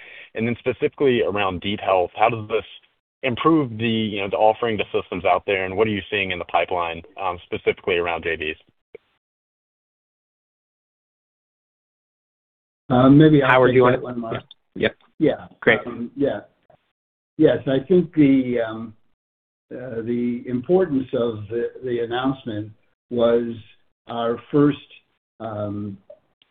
[SPEAKER 9] Specifically around DeepHealth, how does this improve the, you know, the offering to systems out there, and what are you seeing in the pipeline, specifically around JVs?
[SPEAKER 3] Maybe I'll take that one, Mark.
[SPEAKER 2] Howard, you want it?
[SPEAKER 3] Yeah.
[SPEAKER 2] Yeah. Great.
[SPEAKER 3] Yeah. Yes, I think the importance of the announcement was our.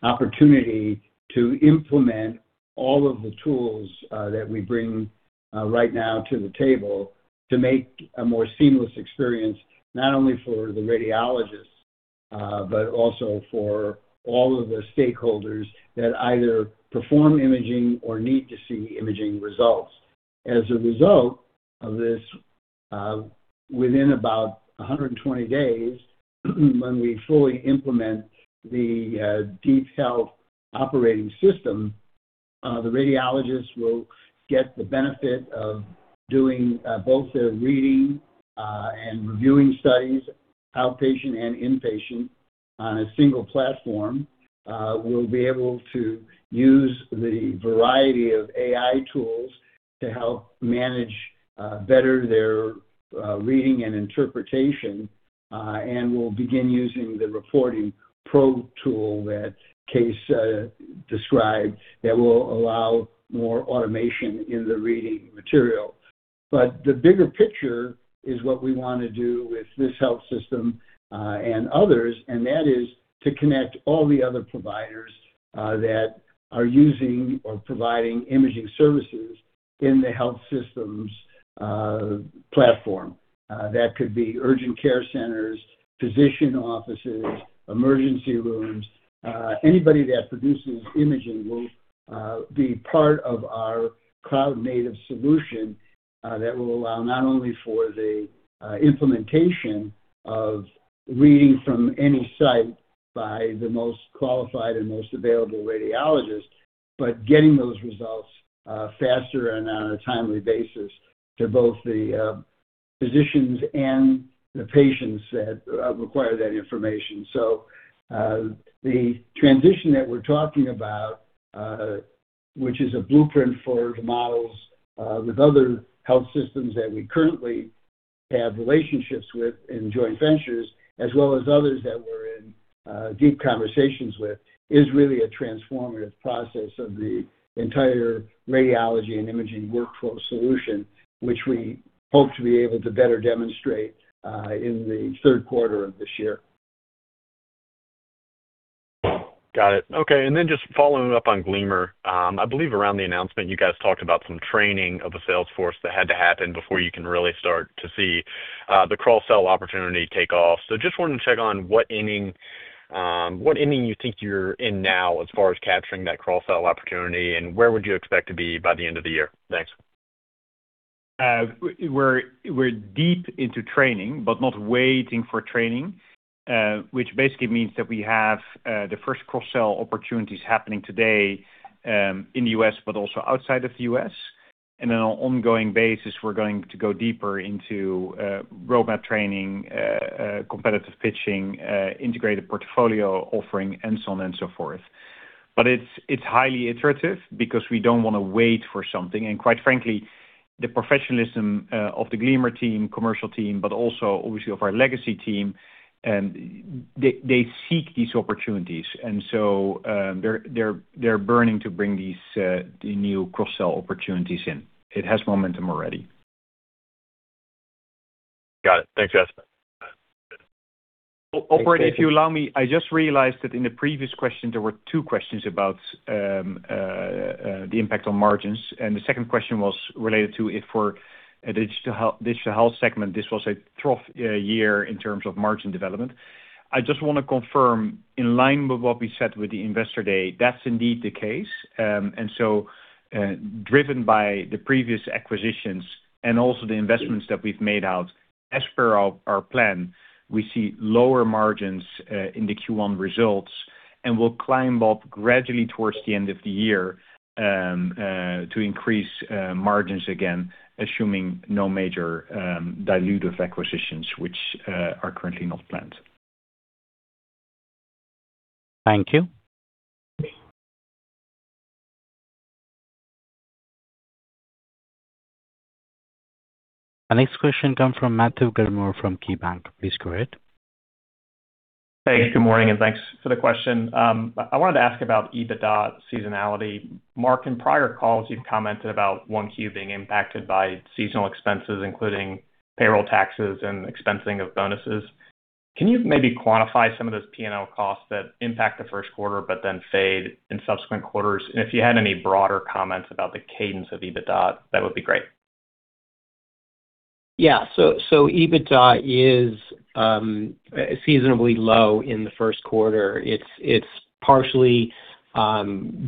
[SPEAKER 3] Opportunity to implement all of the tools that we bring right now to the table to make a more seamless experience, not only for the radiologists, but also for all of the stakeholders that either perform imaging or need to see imaging results. As a result of this, within about 120 days when we fully implement the DeepHealth operating system, the radiologists will get the benefit of doing both the reading and reviewing studies, outpatient and inpatient, on a single platform. We'll be able to use the variety of AI tools to help manage better their reading and interpretation, and we'll begin using the Reporting Pro tool that Kees described that will allow more automation in the reading material. The bigger picture is what we wanna do with this health system and others, and that is to connect all the other providers that are using or providing imaging services in the health systems platform. That could be urgent care centers, physician offices, emergency rooms, anybody that produces imaging will be part of our cloud-native solution that will allow not only for the implementation of reading from any site by the most qualified and most available radiologist, but getting those results faster and on a timely basis to both the physicians and the patients that require that information. The transition that we're talking about, which is a blueprint for the models, with other health systems that we currently have relationships with in joint ventures, as well as others that we're in deep conversations with, is really a transformative process of the entire radiology and imaging workflow solution, which we hope to be able to better demonstrate in the third quarter of this year.
[SPEAKER 9] Got it. Okay, and then just following up on Gleamer. I believe around the announcement, you guys talked about some training of the sales force that had to happen before you can really start to see the cross-sell opportunity take off. Just wanted to check on what inning, what inning you think you're in now as far as capturing that cross-sell opportunity, and where would you expect to be by the end of the year? Thanks.
[SPEAKER 4] We're deep into training, but not waiting for training, which basically means that we have the first cross-sell opportunities happening today in the U.S., but also outside of the U.S. On an ongoing basis, we're going to go deeper into roadmap training, competitive pitching, integrated portfolio offering, and so on and so forth. It's highly iterative because we don't wanna wait for something. Quite frankly, the professionalism of the Gleamer team, commercial team, but also obviously of our legacy team, they seek these opportunities. So, they're burning to bring these the new cross-sell opportunities in. It has momentum already.
[SPEAKER 9] Got it. Thanks, Wesdorp.
[SPEAKER 4] Operator, if you allow me, I just realized that in the previous question, there were two questions about the impact on margins, and the second question was related to if for a Digital Health segment, this was a trough year in terms of margin development. I just want to confirm, in line with what we said with the Investor Day, that's indeed the case. Driven by the previous acquisitions and also the investments that we've made out as per our plan, we see lower margins in the Q one results, and will climb up gradually towards the end of the year to increase margins again, assuming no major dilutive acquisitions, which are currently not planned.
[SPEAKER 1] Thank you. Our next question comes from Matthew Gilmore from KeyBanc. Please go ahead.
[SPEAKER 10] Thanks. Good morning, and thanks for the question. I wanted to ask about EBITDA seasonality. Mark, in prior calls you've commented one Q being impacted by seasonal expenses, including payroll taxes and expensing of bonuses. Can you maybe quantify some of those P&L costs that impact the first quarter but then fade in subsequent quarters? If you had any broader comments about the cadence of EBITDA, that would be great.
[SPEAKER 2] EBITDA is seasonably low in the first quarter. It's partially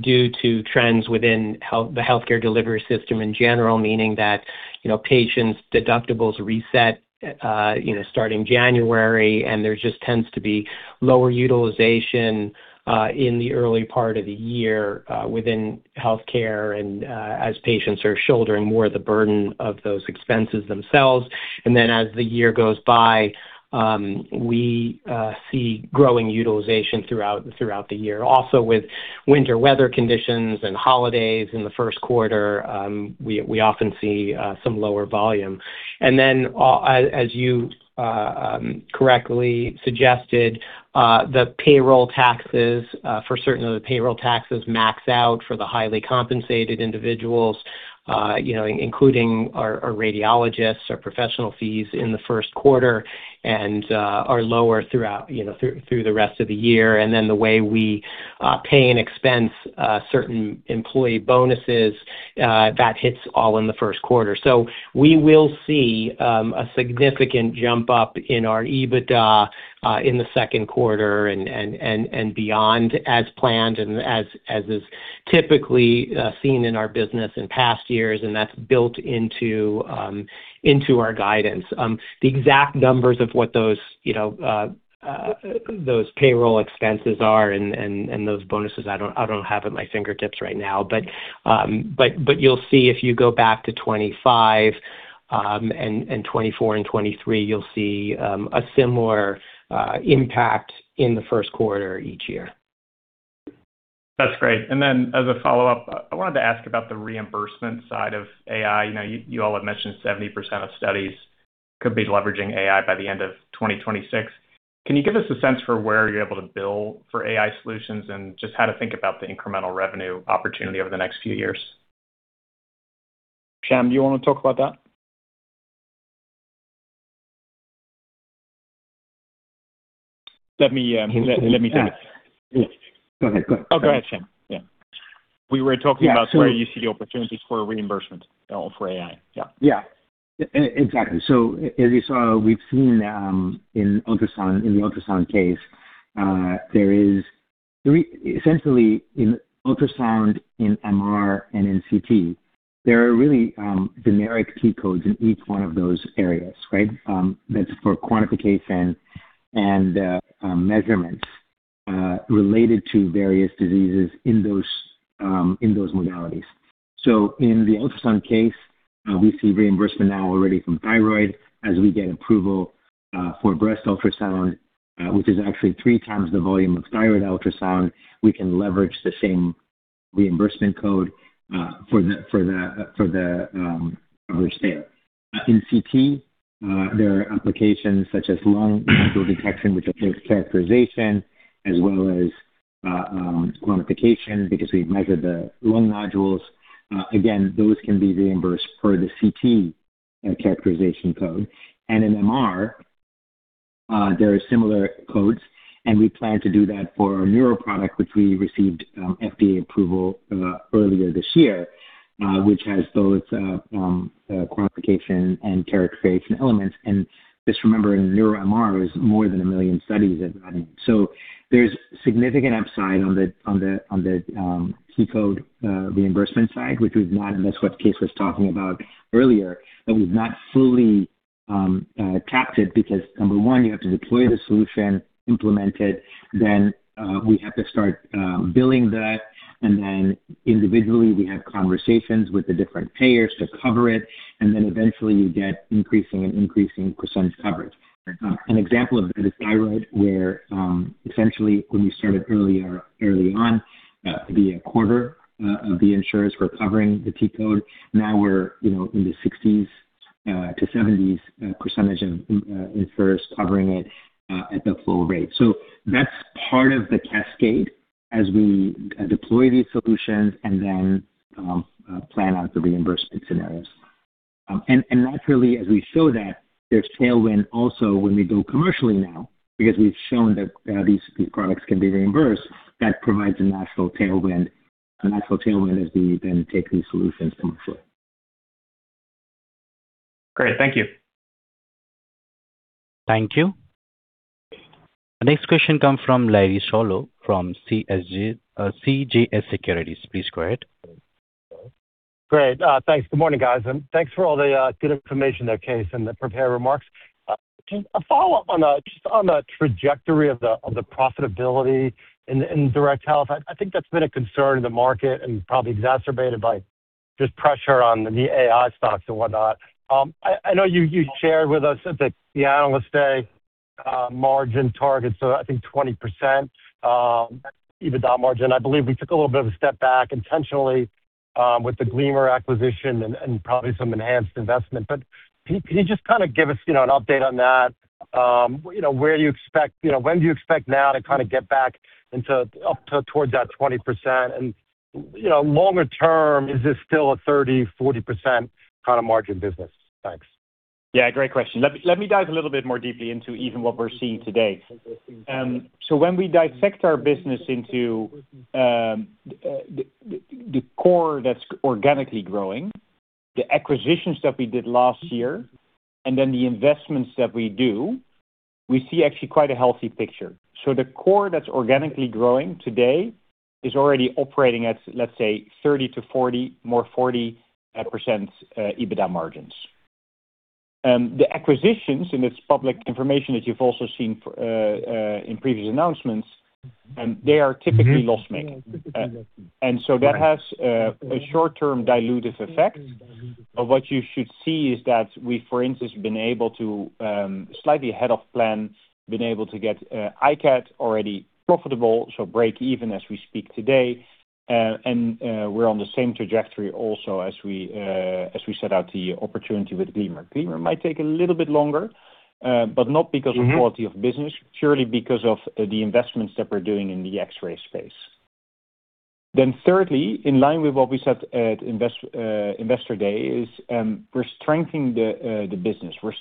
[SPEAKER 2] due to trends within the healthcare delivery system in general, meaning that, you know, patients' deductibles reset, you know, starting January, and there just tends to be lower utilization in the early part of the year within healthcare and as patients are shouldering more of the burden of those expenses themselves. As the year goes by, we see growing utilization throughout the year. Also, with winter weather conditions and holidays in the first quarter, we often see some lower volume. As you correctly suggested, the payroll taxes for certain of the payroll taxes max out for the highly compensated individuals, including our radiologists, our professional fees in the first quarter and are lower throughout the rest of the year. The way we pay and expense certain employee bonuses, that hits all in the first quarter. We will see a significant jump up in our EBITDA in the second quarter and beyond as planned and as is typically seen in our business in past years, that's built into our guidance. The exact numbers of what those, you know, those payroll expenses are and those bonuses I don't, I don't have at my fingertips right now. You'll see if you go back to 2025, and 2024 and 2023, you'll see, a similar, impact in the first quarter each year.
[SPEAKER 10] That's great. As a follow-up, I wanted to ask about the reimbursement side of AI. You know, you all have mentioned 70% of studies could be leveraging AI by the end of 2026. Can you give us a sense for where you're able to bill for AI solutions and just how to think about the incremental revenue opportunity over the next few years?
[SPEAKER 4] Sham, do you want to talk about that?
[SPEAKER 8] Let me take this.
[SPEAKER 4] Yeah. Go ahead. Go ahead. Oh, go ahead, Sham. Yeah.
[SPEAKER 8] We were talking about-
[SPEAKER 4] Yeah.
[SPEAKER 8] ...where you see the opportunities for reimbursement or for AI.
[SPEAKER 4] Yeah.
[SPEAKER 8] Exactly. As you saw, we've seen in ultrasound, in the ultrasound case, there is three essentially in ultrasound, in MRI, and in CT, there are really generic T-codes in each one of those areas, right? That's for quantification and measurements related to various diseases in those in those modalities. In the ultrasound case, we see reimbursement now already from thyroid. As we get approval for breast ultrasound, which is actually three times the volume of thyroid ultrasound, we can leverage the same reimbursement code for the procedure. In CT, there are applications such as lung cancer detection, which includes characterization as well as quantification because we measure the lung nodules. Again, those can be reimbursed per the CT characterization code. In MR, there are similar codes, and we plan to do that for our neuro product, which we received FDA approval earlier this year, which has those quantification and characterization elements. Just remember, in neuro MR, there's more than 1 million studies have done. There's significant upside on the T-code reimbursement side, which we've not, and that's what Kees was talking about earlier, that we've not fully captured because you have to deploy the solution, implement it, then we have to start billing that. Individually, we have conversations with the different payers to cover it, and then eventually you get increasing and increasing percent coverage. An example of that is thyroid, where essentially when we started earlier, early on, it could be a quarter of the insurers were covering the T-code. Now we're, you know, in the 60%-70% of insurers covering it at the full rate. That's part of the cascade as we deploy these solutions and then plan out the reimbursement scenarios. Naturally, as we show that, there's tailwind also when we go commercially now because we've shown that these products can be reimbursed. That provides a natural tailwind as we then take these solutions to market.
[SPEAKER 10] Great. Thank you.
[SPEAKER 1] Thank you. Next question come from Larry Solow from CJS Securities. Please go ahead.
[SPEAKER 11] Great. Thanks. Good morning, guys, and thanks for all the good information there, Kees, and the prepared remarks. Just a follow-up on the trajectory of the profitability in Digital Health. I think that's been a concern in the market and probably exacerbated by just pressure on the AI stocks and what-not. I know you shared with us at the Investor Day, margin targets of, I think, 20% EBITDA margin. I believe we took a little bit of a step back intentionally with the Gleamer acquisition and probably some enhanced investment. Can you just kind of give us, you know, an update on that? You know, when do you expect now to kind of get back into up to towards that 20%? You know, longer term, is this still a 30%-40% kinda margin business? Thanks.
[SPEAKER 4] Yeah, great question. Let me dive a little bit more deeply into even what we're seeing today. When we dissect our business into the core that's organically growing, the acquisitions that we did last year, and then the investments that we do, we see actually quite a healthy picture. The core that's organically growing today is already operating at, let's say, 30%-40%, more 40%, EBITDA margins. The acquisitions, it's public information that you've also seen for in previous announcements. They are typically loss-making. That has a short-term dilutive effect. What you should see is that we, for instance, have been able to, slightly ahead of plan, been able to get iCAD already profitable, so break even as we speak today. We're on the same trajectory also as we set out the opportunity with Gleamer. Gleamer might take a little bit longer, but not because of quality of business. Purely because of the investments that we're doing in the X-ray space. Thirdly, in line with what we said at Investor Day is, we're strengthening the business. We're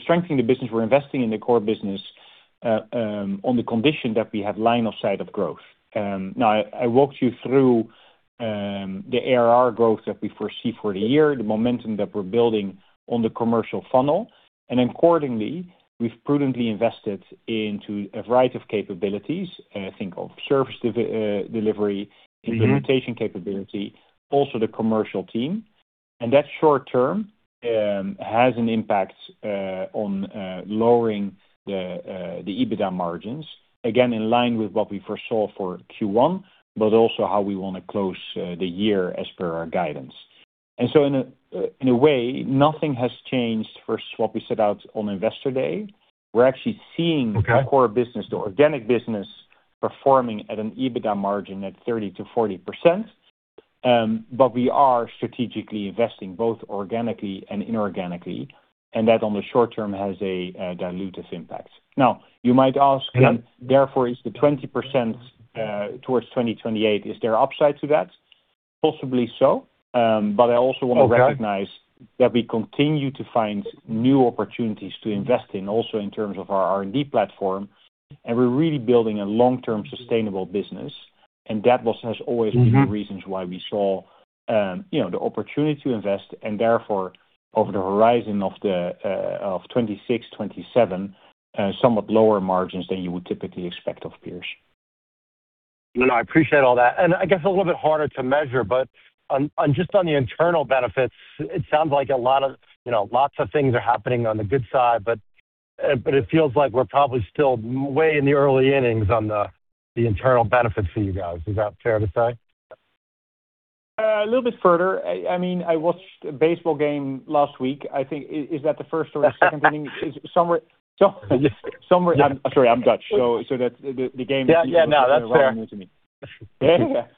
[SPEAKER 4] strengthening the business, we're investing in the core business on the condition that we have line of sight of growth. Now I walked you through the ARR growth that we foresee for the year, the momentum that we're building on the commercial funnel. Accordingly, we've prudently invested into a variety of capabilities. Think of service delivery implementation capability, also the commercial team. That short term has an impact on lowering the EBITDA margins. Again, in line with what we foresaw for Q one, but also how we wanna close the year as per our guidance. In a way, nothing has changed versus what we set out on Investor Day.
[SPEAKER 11] Okay
[SPEAKER 4] Our core business, the organic business, performing at an EBITDA margin at 30%-40%. We are strategically investing both organically and inorganically, and that on the short term has a dilutive impact. You might ask.
[SPEAKER 11] Yeah
[SPEAKER 4] Is the 20% towards 2028, is there upside to that? Possibly so...
[SPEAKER 11] Okay
[SPEAKER 4] ...recognize that we continue to find new opportunities to invest in, also in terms of our R&D platform, we're really building a long-term sustainable business, that has always been. The reasons why we saw, you know, the opportunity to invest and therefore over the horizon of the 2026, 2027, somewhat lower margins than you would typically expect of peers.
[SPEAKER 11] No, I appreciate all that. I guess a little bit harder to measure, but on just on the internal benefits, it sounds like a lot of, you know, lots of things are happening on the good side, but it feels like we're probably still way in the early innings on the internal benefits for you guys. Is that fair to say?
[SPEAKER 4] A little bit further. I mean, I watched a baseball game last week. I think, is that the first or the second inning? It's somewhere.
[SPEAKER 11] Yes.
[SPEAKER 4] I'm sorry, I'm Dutch, so that's the game is...
[SPEAKER 11] Yeah. No, that's fair.
[SPEAKER 4] ...relatively new to me.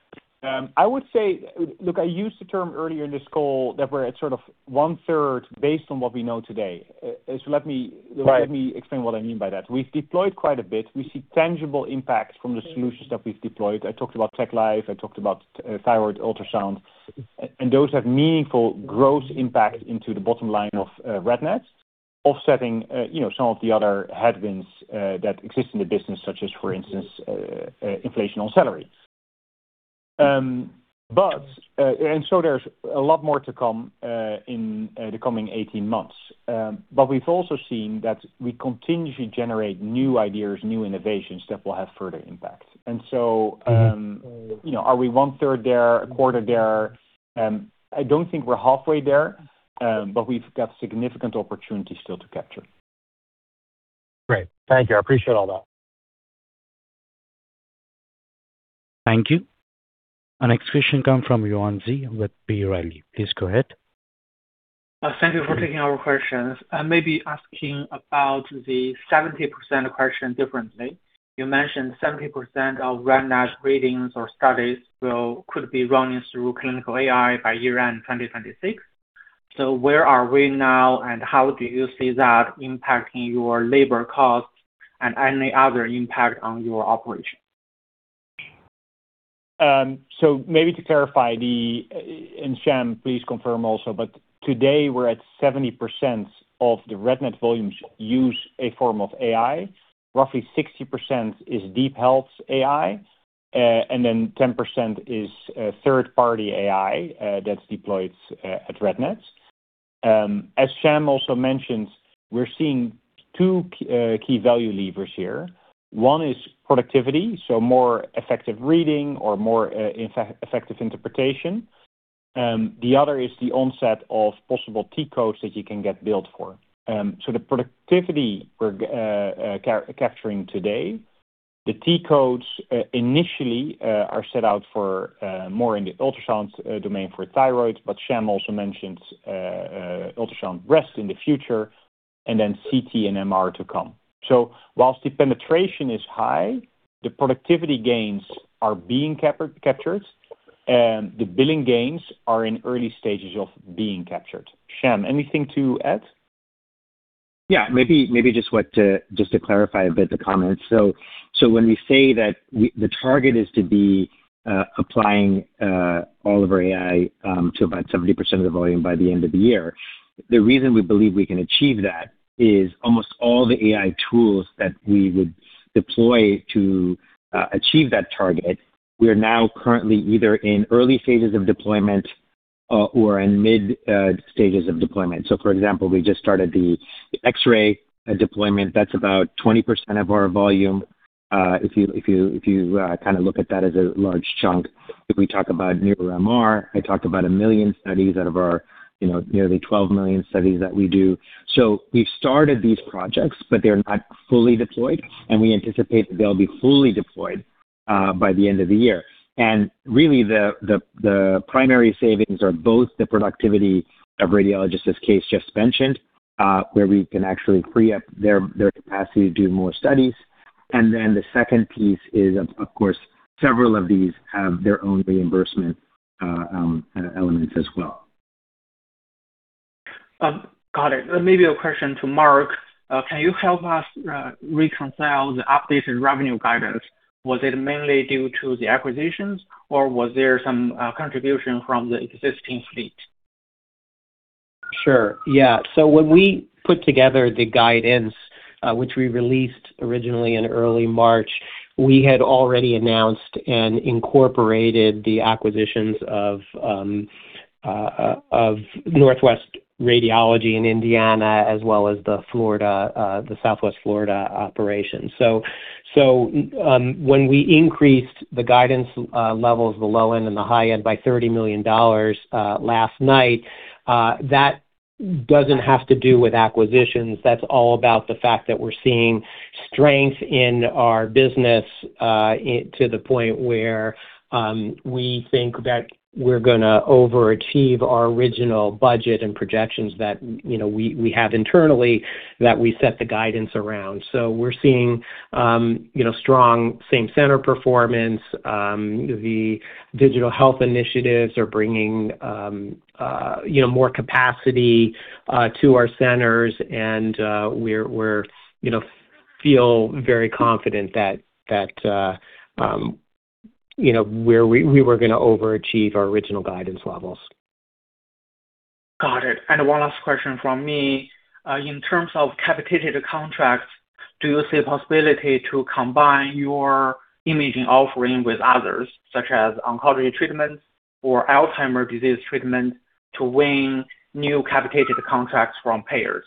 [SPEAKER 4] I would say, look, I used the term earlier in this call that we're at sort of one-third based on what we know today.
[SPEAKER 11] Right
[SPEAKER 4] Let me explain what I mean by that. We've deployed quite a bit. We see tangible impacts from the solutions that we've deployed. I talked about TechLive, I talked about thyroid ultrasound. Those have meaningful growth impact into the bottom line of RadNet, offsetting, you know, some of the other headwinds that exist in the business, such as, for instance, inflation on salaries. There's a lot more to come in the coming 18 months. We've also seen that we continuously generate new ideas, new innovations that will have further impact. You know, are we one-third there, a quarter there? I don't think we're halfway there, we've got significant opportunities still to capture.
[SPEAKER 11] Great. Thank you. I appreciate all that.
[SPEAKER 1] Thank you. Our next question come from Yuan Zhi with B. Riley. Please go ahead.
[SPEAKER 12] Thank you for taking our questions. I may be asking about the 70% question differently. You mentioned 70% of RadNet readings or studies could be running through clinical AI by year-end 2026. Where are we now, and how do you see that impacting your labor costs and any other impact on your operations?
[SPEAKER 4] Maybe to clarify the, Sham, please confirm also, but today we're at 70% of the RadNet volumes use a form of AI. Roughly 60% is DeepHealth AI, and then 10% is third-party AI that's deployed at RadNet. As Sham also mentioned, we're seeing two key value levers here. One is productivity, so more effective reading or more effective interpretation. The other is the onset of possible T-codes that you can get billed for. The productivity we're capturing today, the T-codes initially are set out for more in the ultrasound domain for thyroid, but Sham also mentioned ultrasound breast in the future and then CT and MRI to come. Whilst the penetration is high, the productivity gains are being captured, the billing gains are in early stages of being captured. Sham, anything to add? Yeah. Maybe just what, just to clarify a bit the comments. When we say that the target is to be applying all of our AI to about 70% of the volume by the end of the year, the reason we believe we can achieve that is almost all the AI tools that we would deploy to achieve that target, we are now currently either in early stages of deployment or in mid stages of deployment. For example, we just started the X-ray deployment, that's about 20% of our volume, if you kinda look at that as a large chunk. If we talk about neuro MR, I talked about 1 million studies out of our, you know, nearly 12 million studies that we do.
[SPEAKER 8] We've started these projects, but they're not fully deployed, and we anticipate that they'll be fully deployed. By the end of the year. Really, the primary savings are both the productivity of radiologists, as Kees just mentioned, where we can actually free up their capacity to do more studies. The second piece is of course, several of these have their own reimbursement elements as well.
[SPEAKER 12] Got it. Maybe a question to Mark. Can you help us reconcile the updated revenue guidance? Was it mainly due to the acquisitions, or was there some contribution from the existing fleet?
[SPEAKER 2] Sure. Yeah. When we put together the guidance, which we released originally in early March, we had already announced and incorporated the acquisitions of Northwest Radiology in Indiana as well as the Florida, the Southwest Florida operations. When we increased the guidance levels, the low end and the high end by $30 million last night, that doesn't have to do with acquisitions. That's all about the fact that we're seeing strength in our business to the point where we think that we're gonna overachieve our original budget and projections that, you know, we have internally that we set the guidance around. We're seeing, you know, strong same-center performance. The Digital Health initiatives are bringing, you know, more capacity to our centers, and we're, you know, feel very confident that, you know, we're gonna overachieve our original guidance levels.
[SPEAKER 12] Got it. One last question from me. In terms of capitated contracts, do you see a possibility to combine your imaging offering with others, such as oncology treatments or Alzheimer's disease treatments, to win new capitated contracts from payers?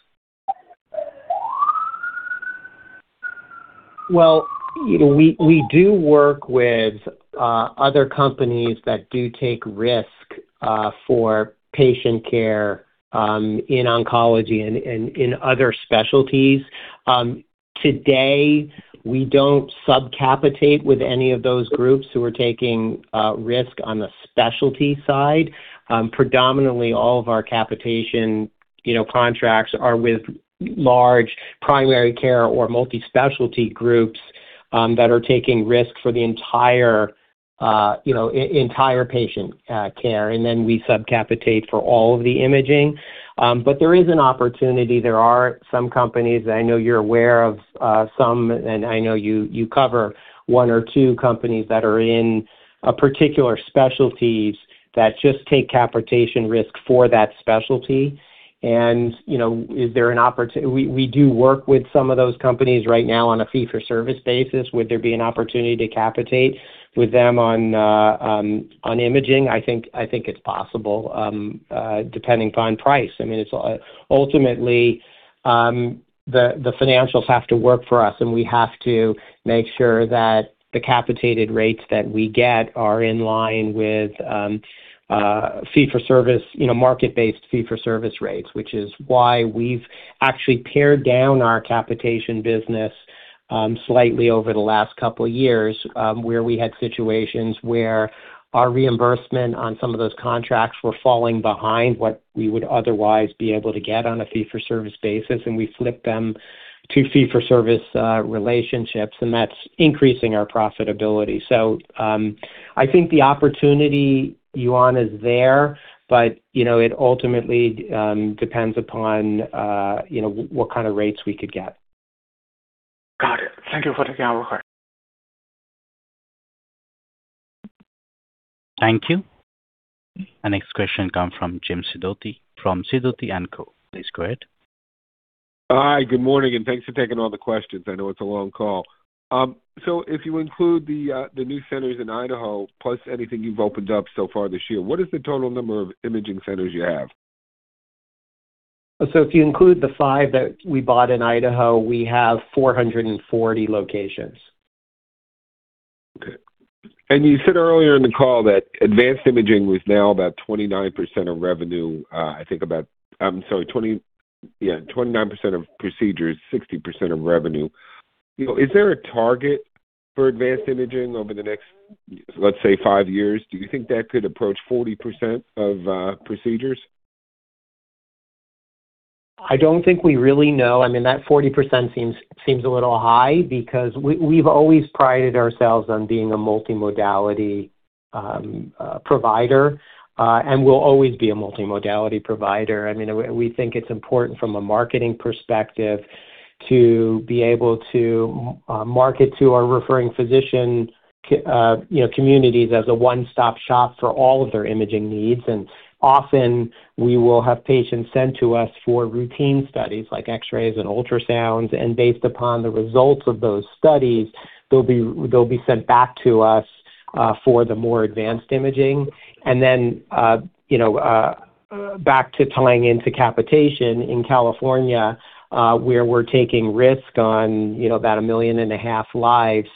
[SPEAKER 2] Well, you know, we do work with other companies that do take risk for patient care in oncology and in other specialties. Today, we don't sub-capitate with any of those groups who are taking risk on the specialty side. Predominantly all of our capitation, you know, contracts are with large primary care or multi-specialty groups that are taking risk for the entire, you know, entire patient care, and then we sub-capitate for all of the imaging. There is an opportunity. There are some companies, I know you're aware of some, I know you cover one or two companies that are in particular specialties that just take capitation risk for that specialty. You know, We do work with some of those companies right now on a fee-for-service basis. Would there be an opportunity to capitate with them on imaging? I think it's possible, depending upon price. I mean, it's ultimately, the financials have to work for us, and we have to make sure that the capitated rates that we get are in line with fee-for-service, you know, market-based fee-for-service rates, which is why we've actually pared down our capitation business slightly over the last couple of years, where we had situations where our reimbursement on some of those contracts were falling behind what we would otherwise be able to get on a fee-for-service basis, and we flipped them to fee-for-service relationships, and that's increasing our profitability. I think the opportunity, Yuan, is there, but, you know, it ultimately depends upon, you know, what kind of rates we could get.
[SPEAKER 12] Got it. Thank you for taking our question.
[SPEAKER 1] Thank you. Our next question comes from Jim Sidoti from Sidoti & Co. Please go ahead.
[SPEAKER 13] Hi, good morning, and thanks for taking all the questions. I know it's a long call. If you include the new centers in Idaho plus anything you've opened up so far this year, what is the total number of imaging centers you have?
[SPEAKER 2] If you include the five that we bought in Idaho, we have 440 locations.
[SPEAKER 13] Okay. You said earlier in the call that advanced imaging was now about 29% of revenue, I'm sorry, 29% of procedures, 60% of revenue. You know, is there a target for advanced imaging over the next, let's say, five years? Do you think that could approach 40% of procedures?
[SPEAKER 2] I don't think we really know. I mean, that 40% seems a little high because we've always prided ourselves on being a multimodality provider, and we'll always be a multimodality provider. I mean, we think it's important from a marketing perspective to be able to market to our referring physician, you know, communities as a one-stop shop for all of their imaging needs. Often we will have patients sent to us for routine studies like X-rays and ultrasounds, and based upon the results of those studies, they'll be sent back to us for the more advanced imaging. You know, back to tying into capitation in California, where we're taking risk on, you know, about 1.5 million lives,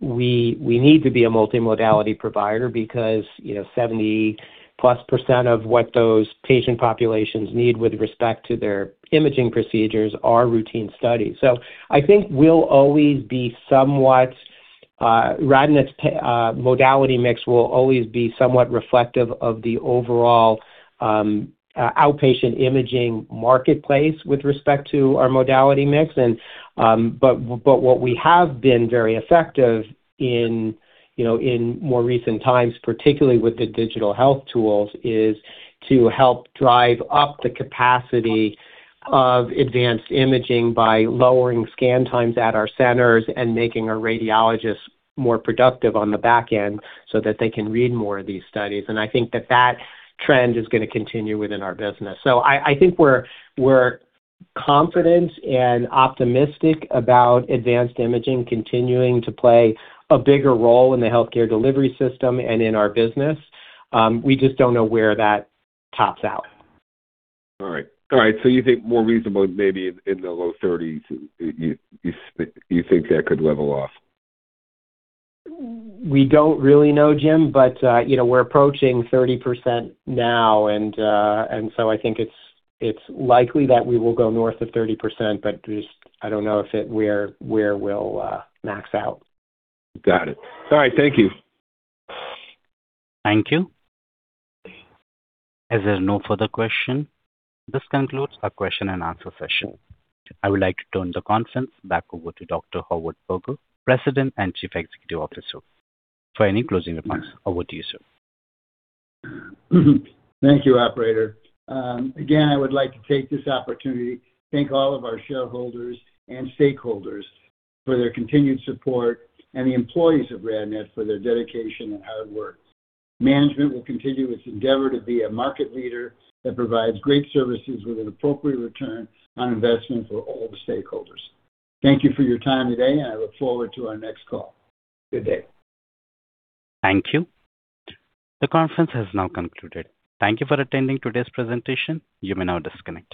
[SPEAKER 2] we need to be a multimodality provider because, you know, 70%+ of what those patient populations need with respect to their imaging procedures are routine studies. I think we'll always be somewhat. RadNet's modality mix will always be somewhat reflective of the overall outpatient imaging marketplace with respect to our modality mix. But what we have been very effective in, you know, in more recent times, particularly with the Digital Health tools, is to help drive up the capacity of advanced imaging by lowering scan times at our centers and making our radiologists more productive on the back end so that they can read more of these studies. I think that that trend is going to continue within our business. I think we're confident and optimistic about advanced imaging continuing to play a bigger role in the healthcare delivery system and in our business. We just don't know where that tops out.
[SPEAKER 13] All right. All right, you think more reasonable maybe in the low thirties, you think that could level off?
[SPEAKER 2] We don't really know, Jim, but, you know, we're approaching 30% now. I think it's likely that we will go north of 30%, but just I don't know where we'll max out.
[SPEAKER 13] Got it. All right, thank you.
[SPEAKER 1] Thank you. As there are no further questions, this concludes our question and answer session. I would like to turn the conference back over to Dr. Howard Berger, President and Chief Executive Officer, for any closing remarks. Over to you, sir.
[SPEAKER 3] Thank you, operator. Again, I would like to take this opportunity to thank all of our shareholders and stakeholders for their continued support and the employees of RadNet for their dedication and hard work. Management will continue its endeavor to be a market leader that provides great services with an appropriate return on investment for all the stakeholders. Thank you for your time today, and I look forward to our next call. Good day.
[SPEAKER 1] Thank you. The conference has now concluded. Thank you for attending today's presentation. You may now disconnect.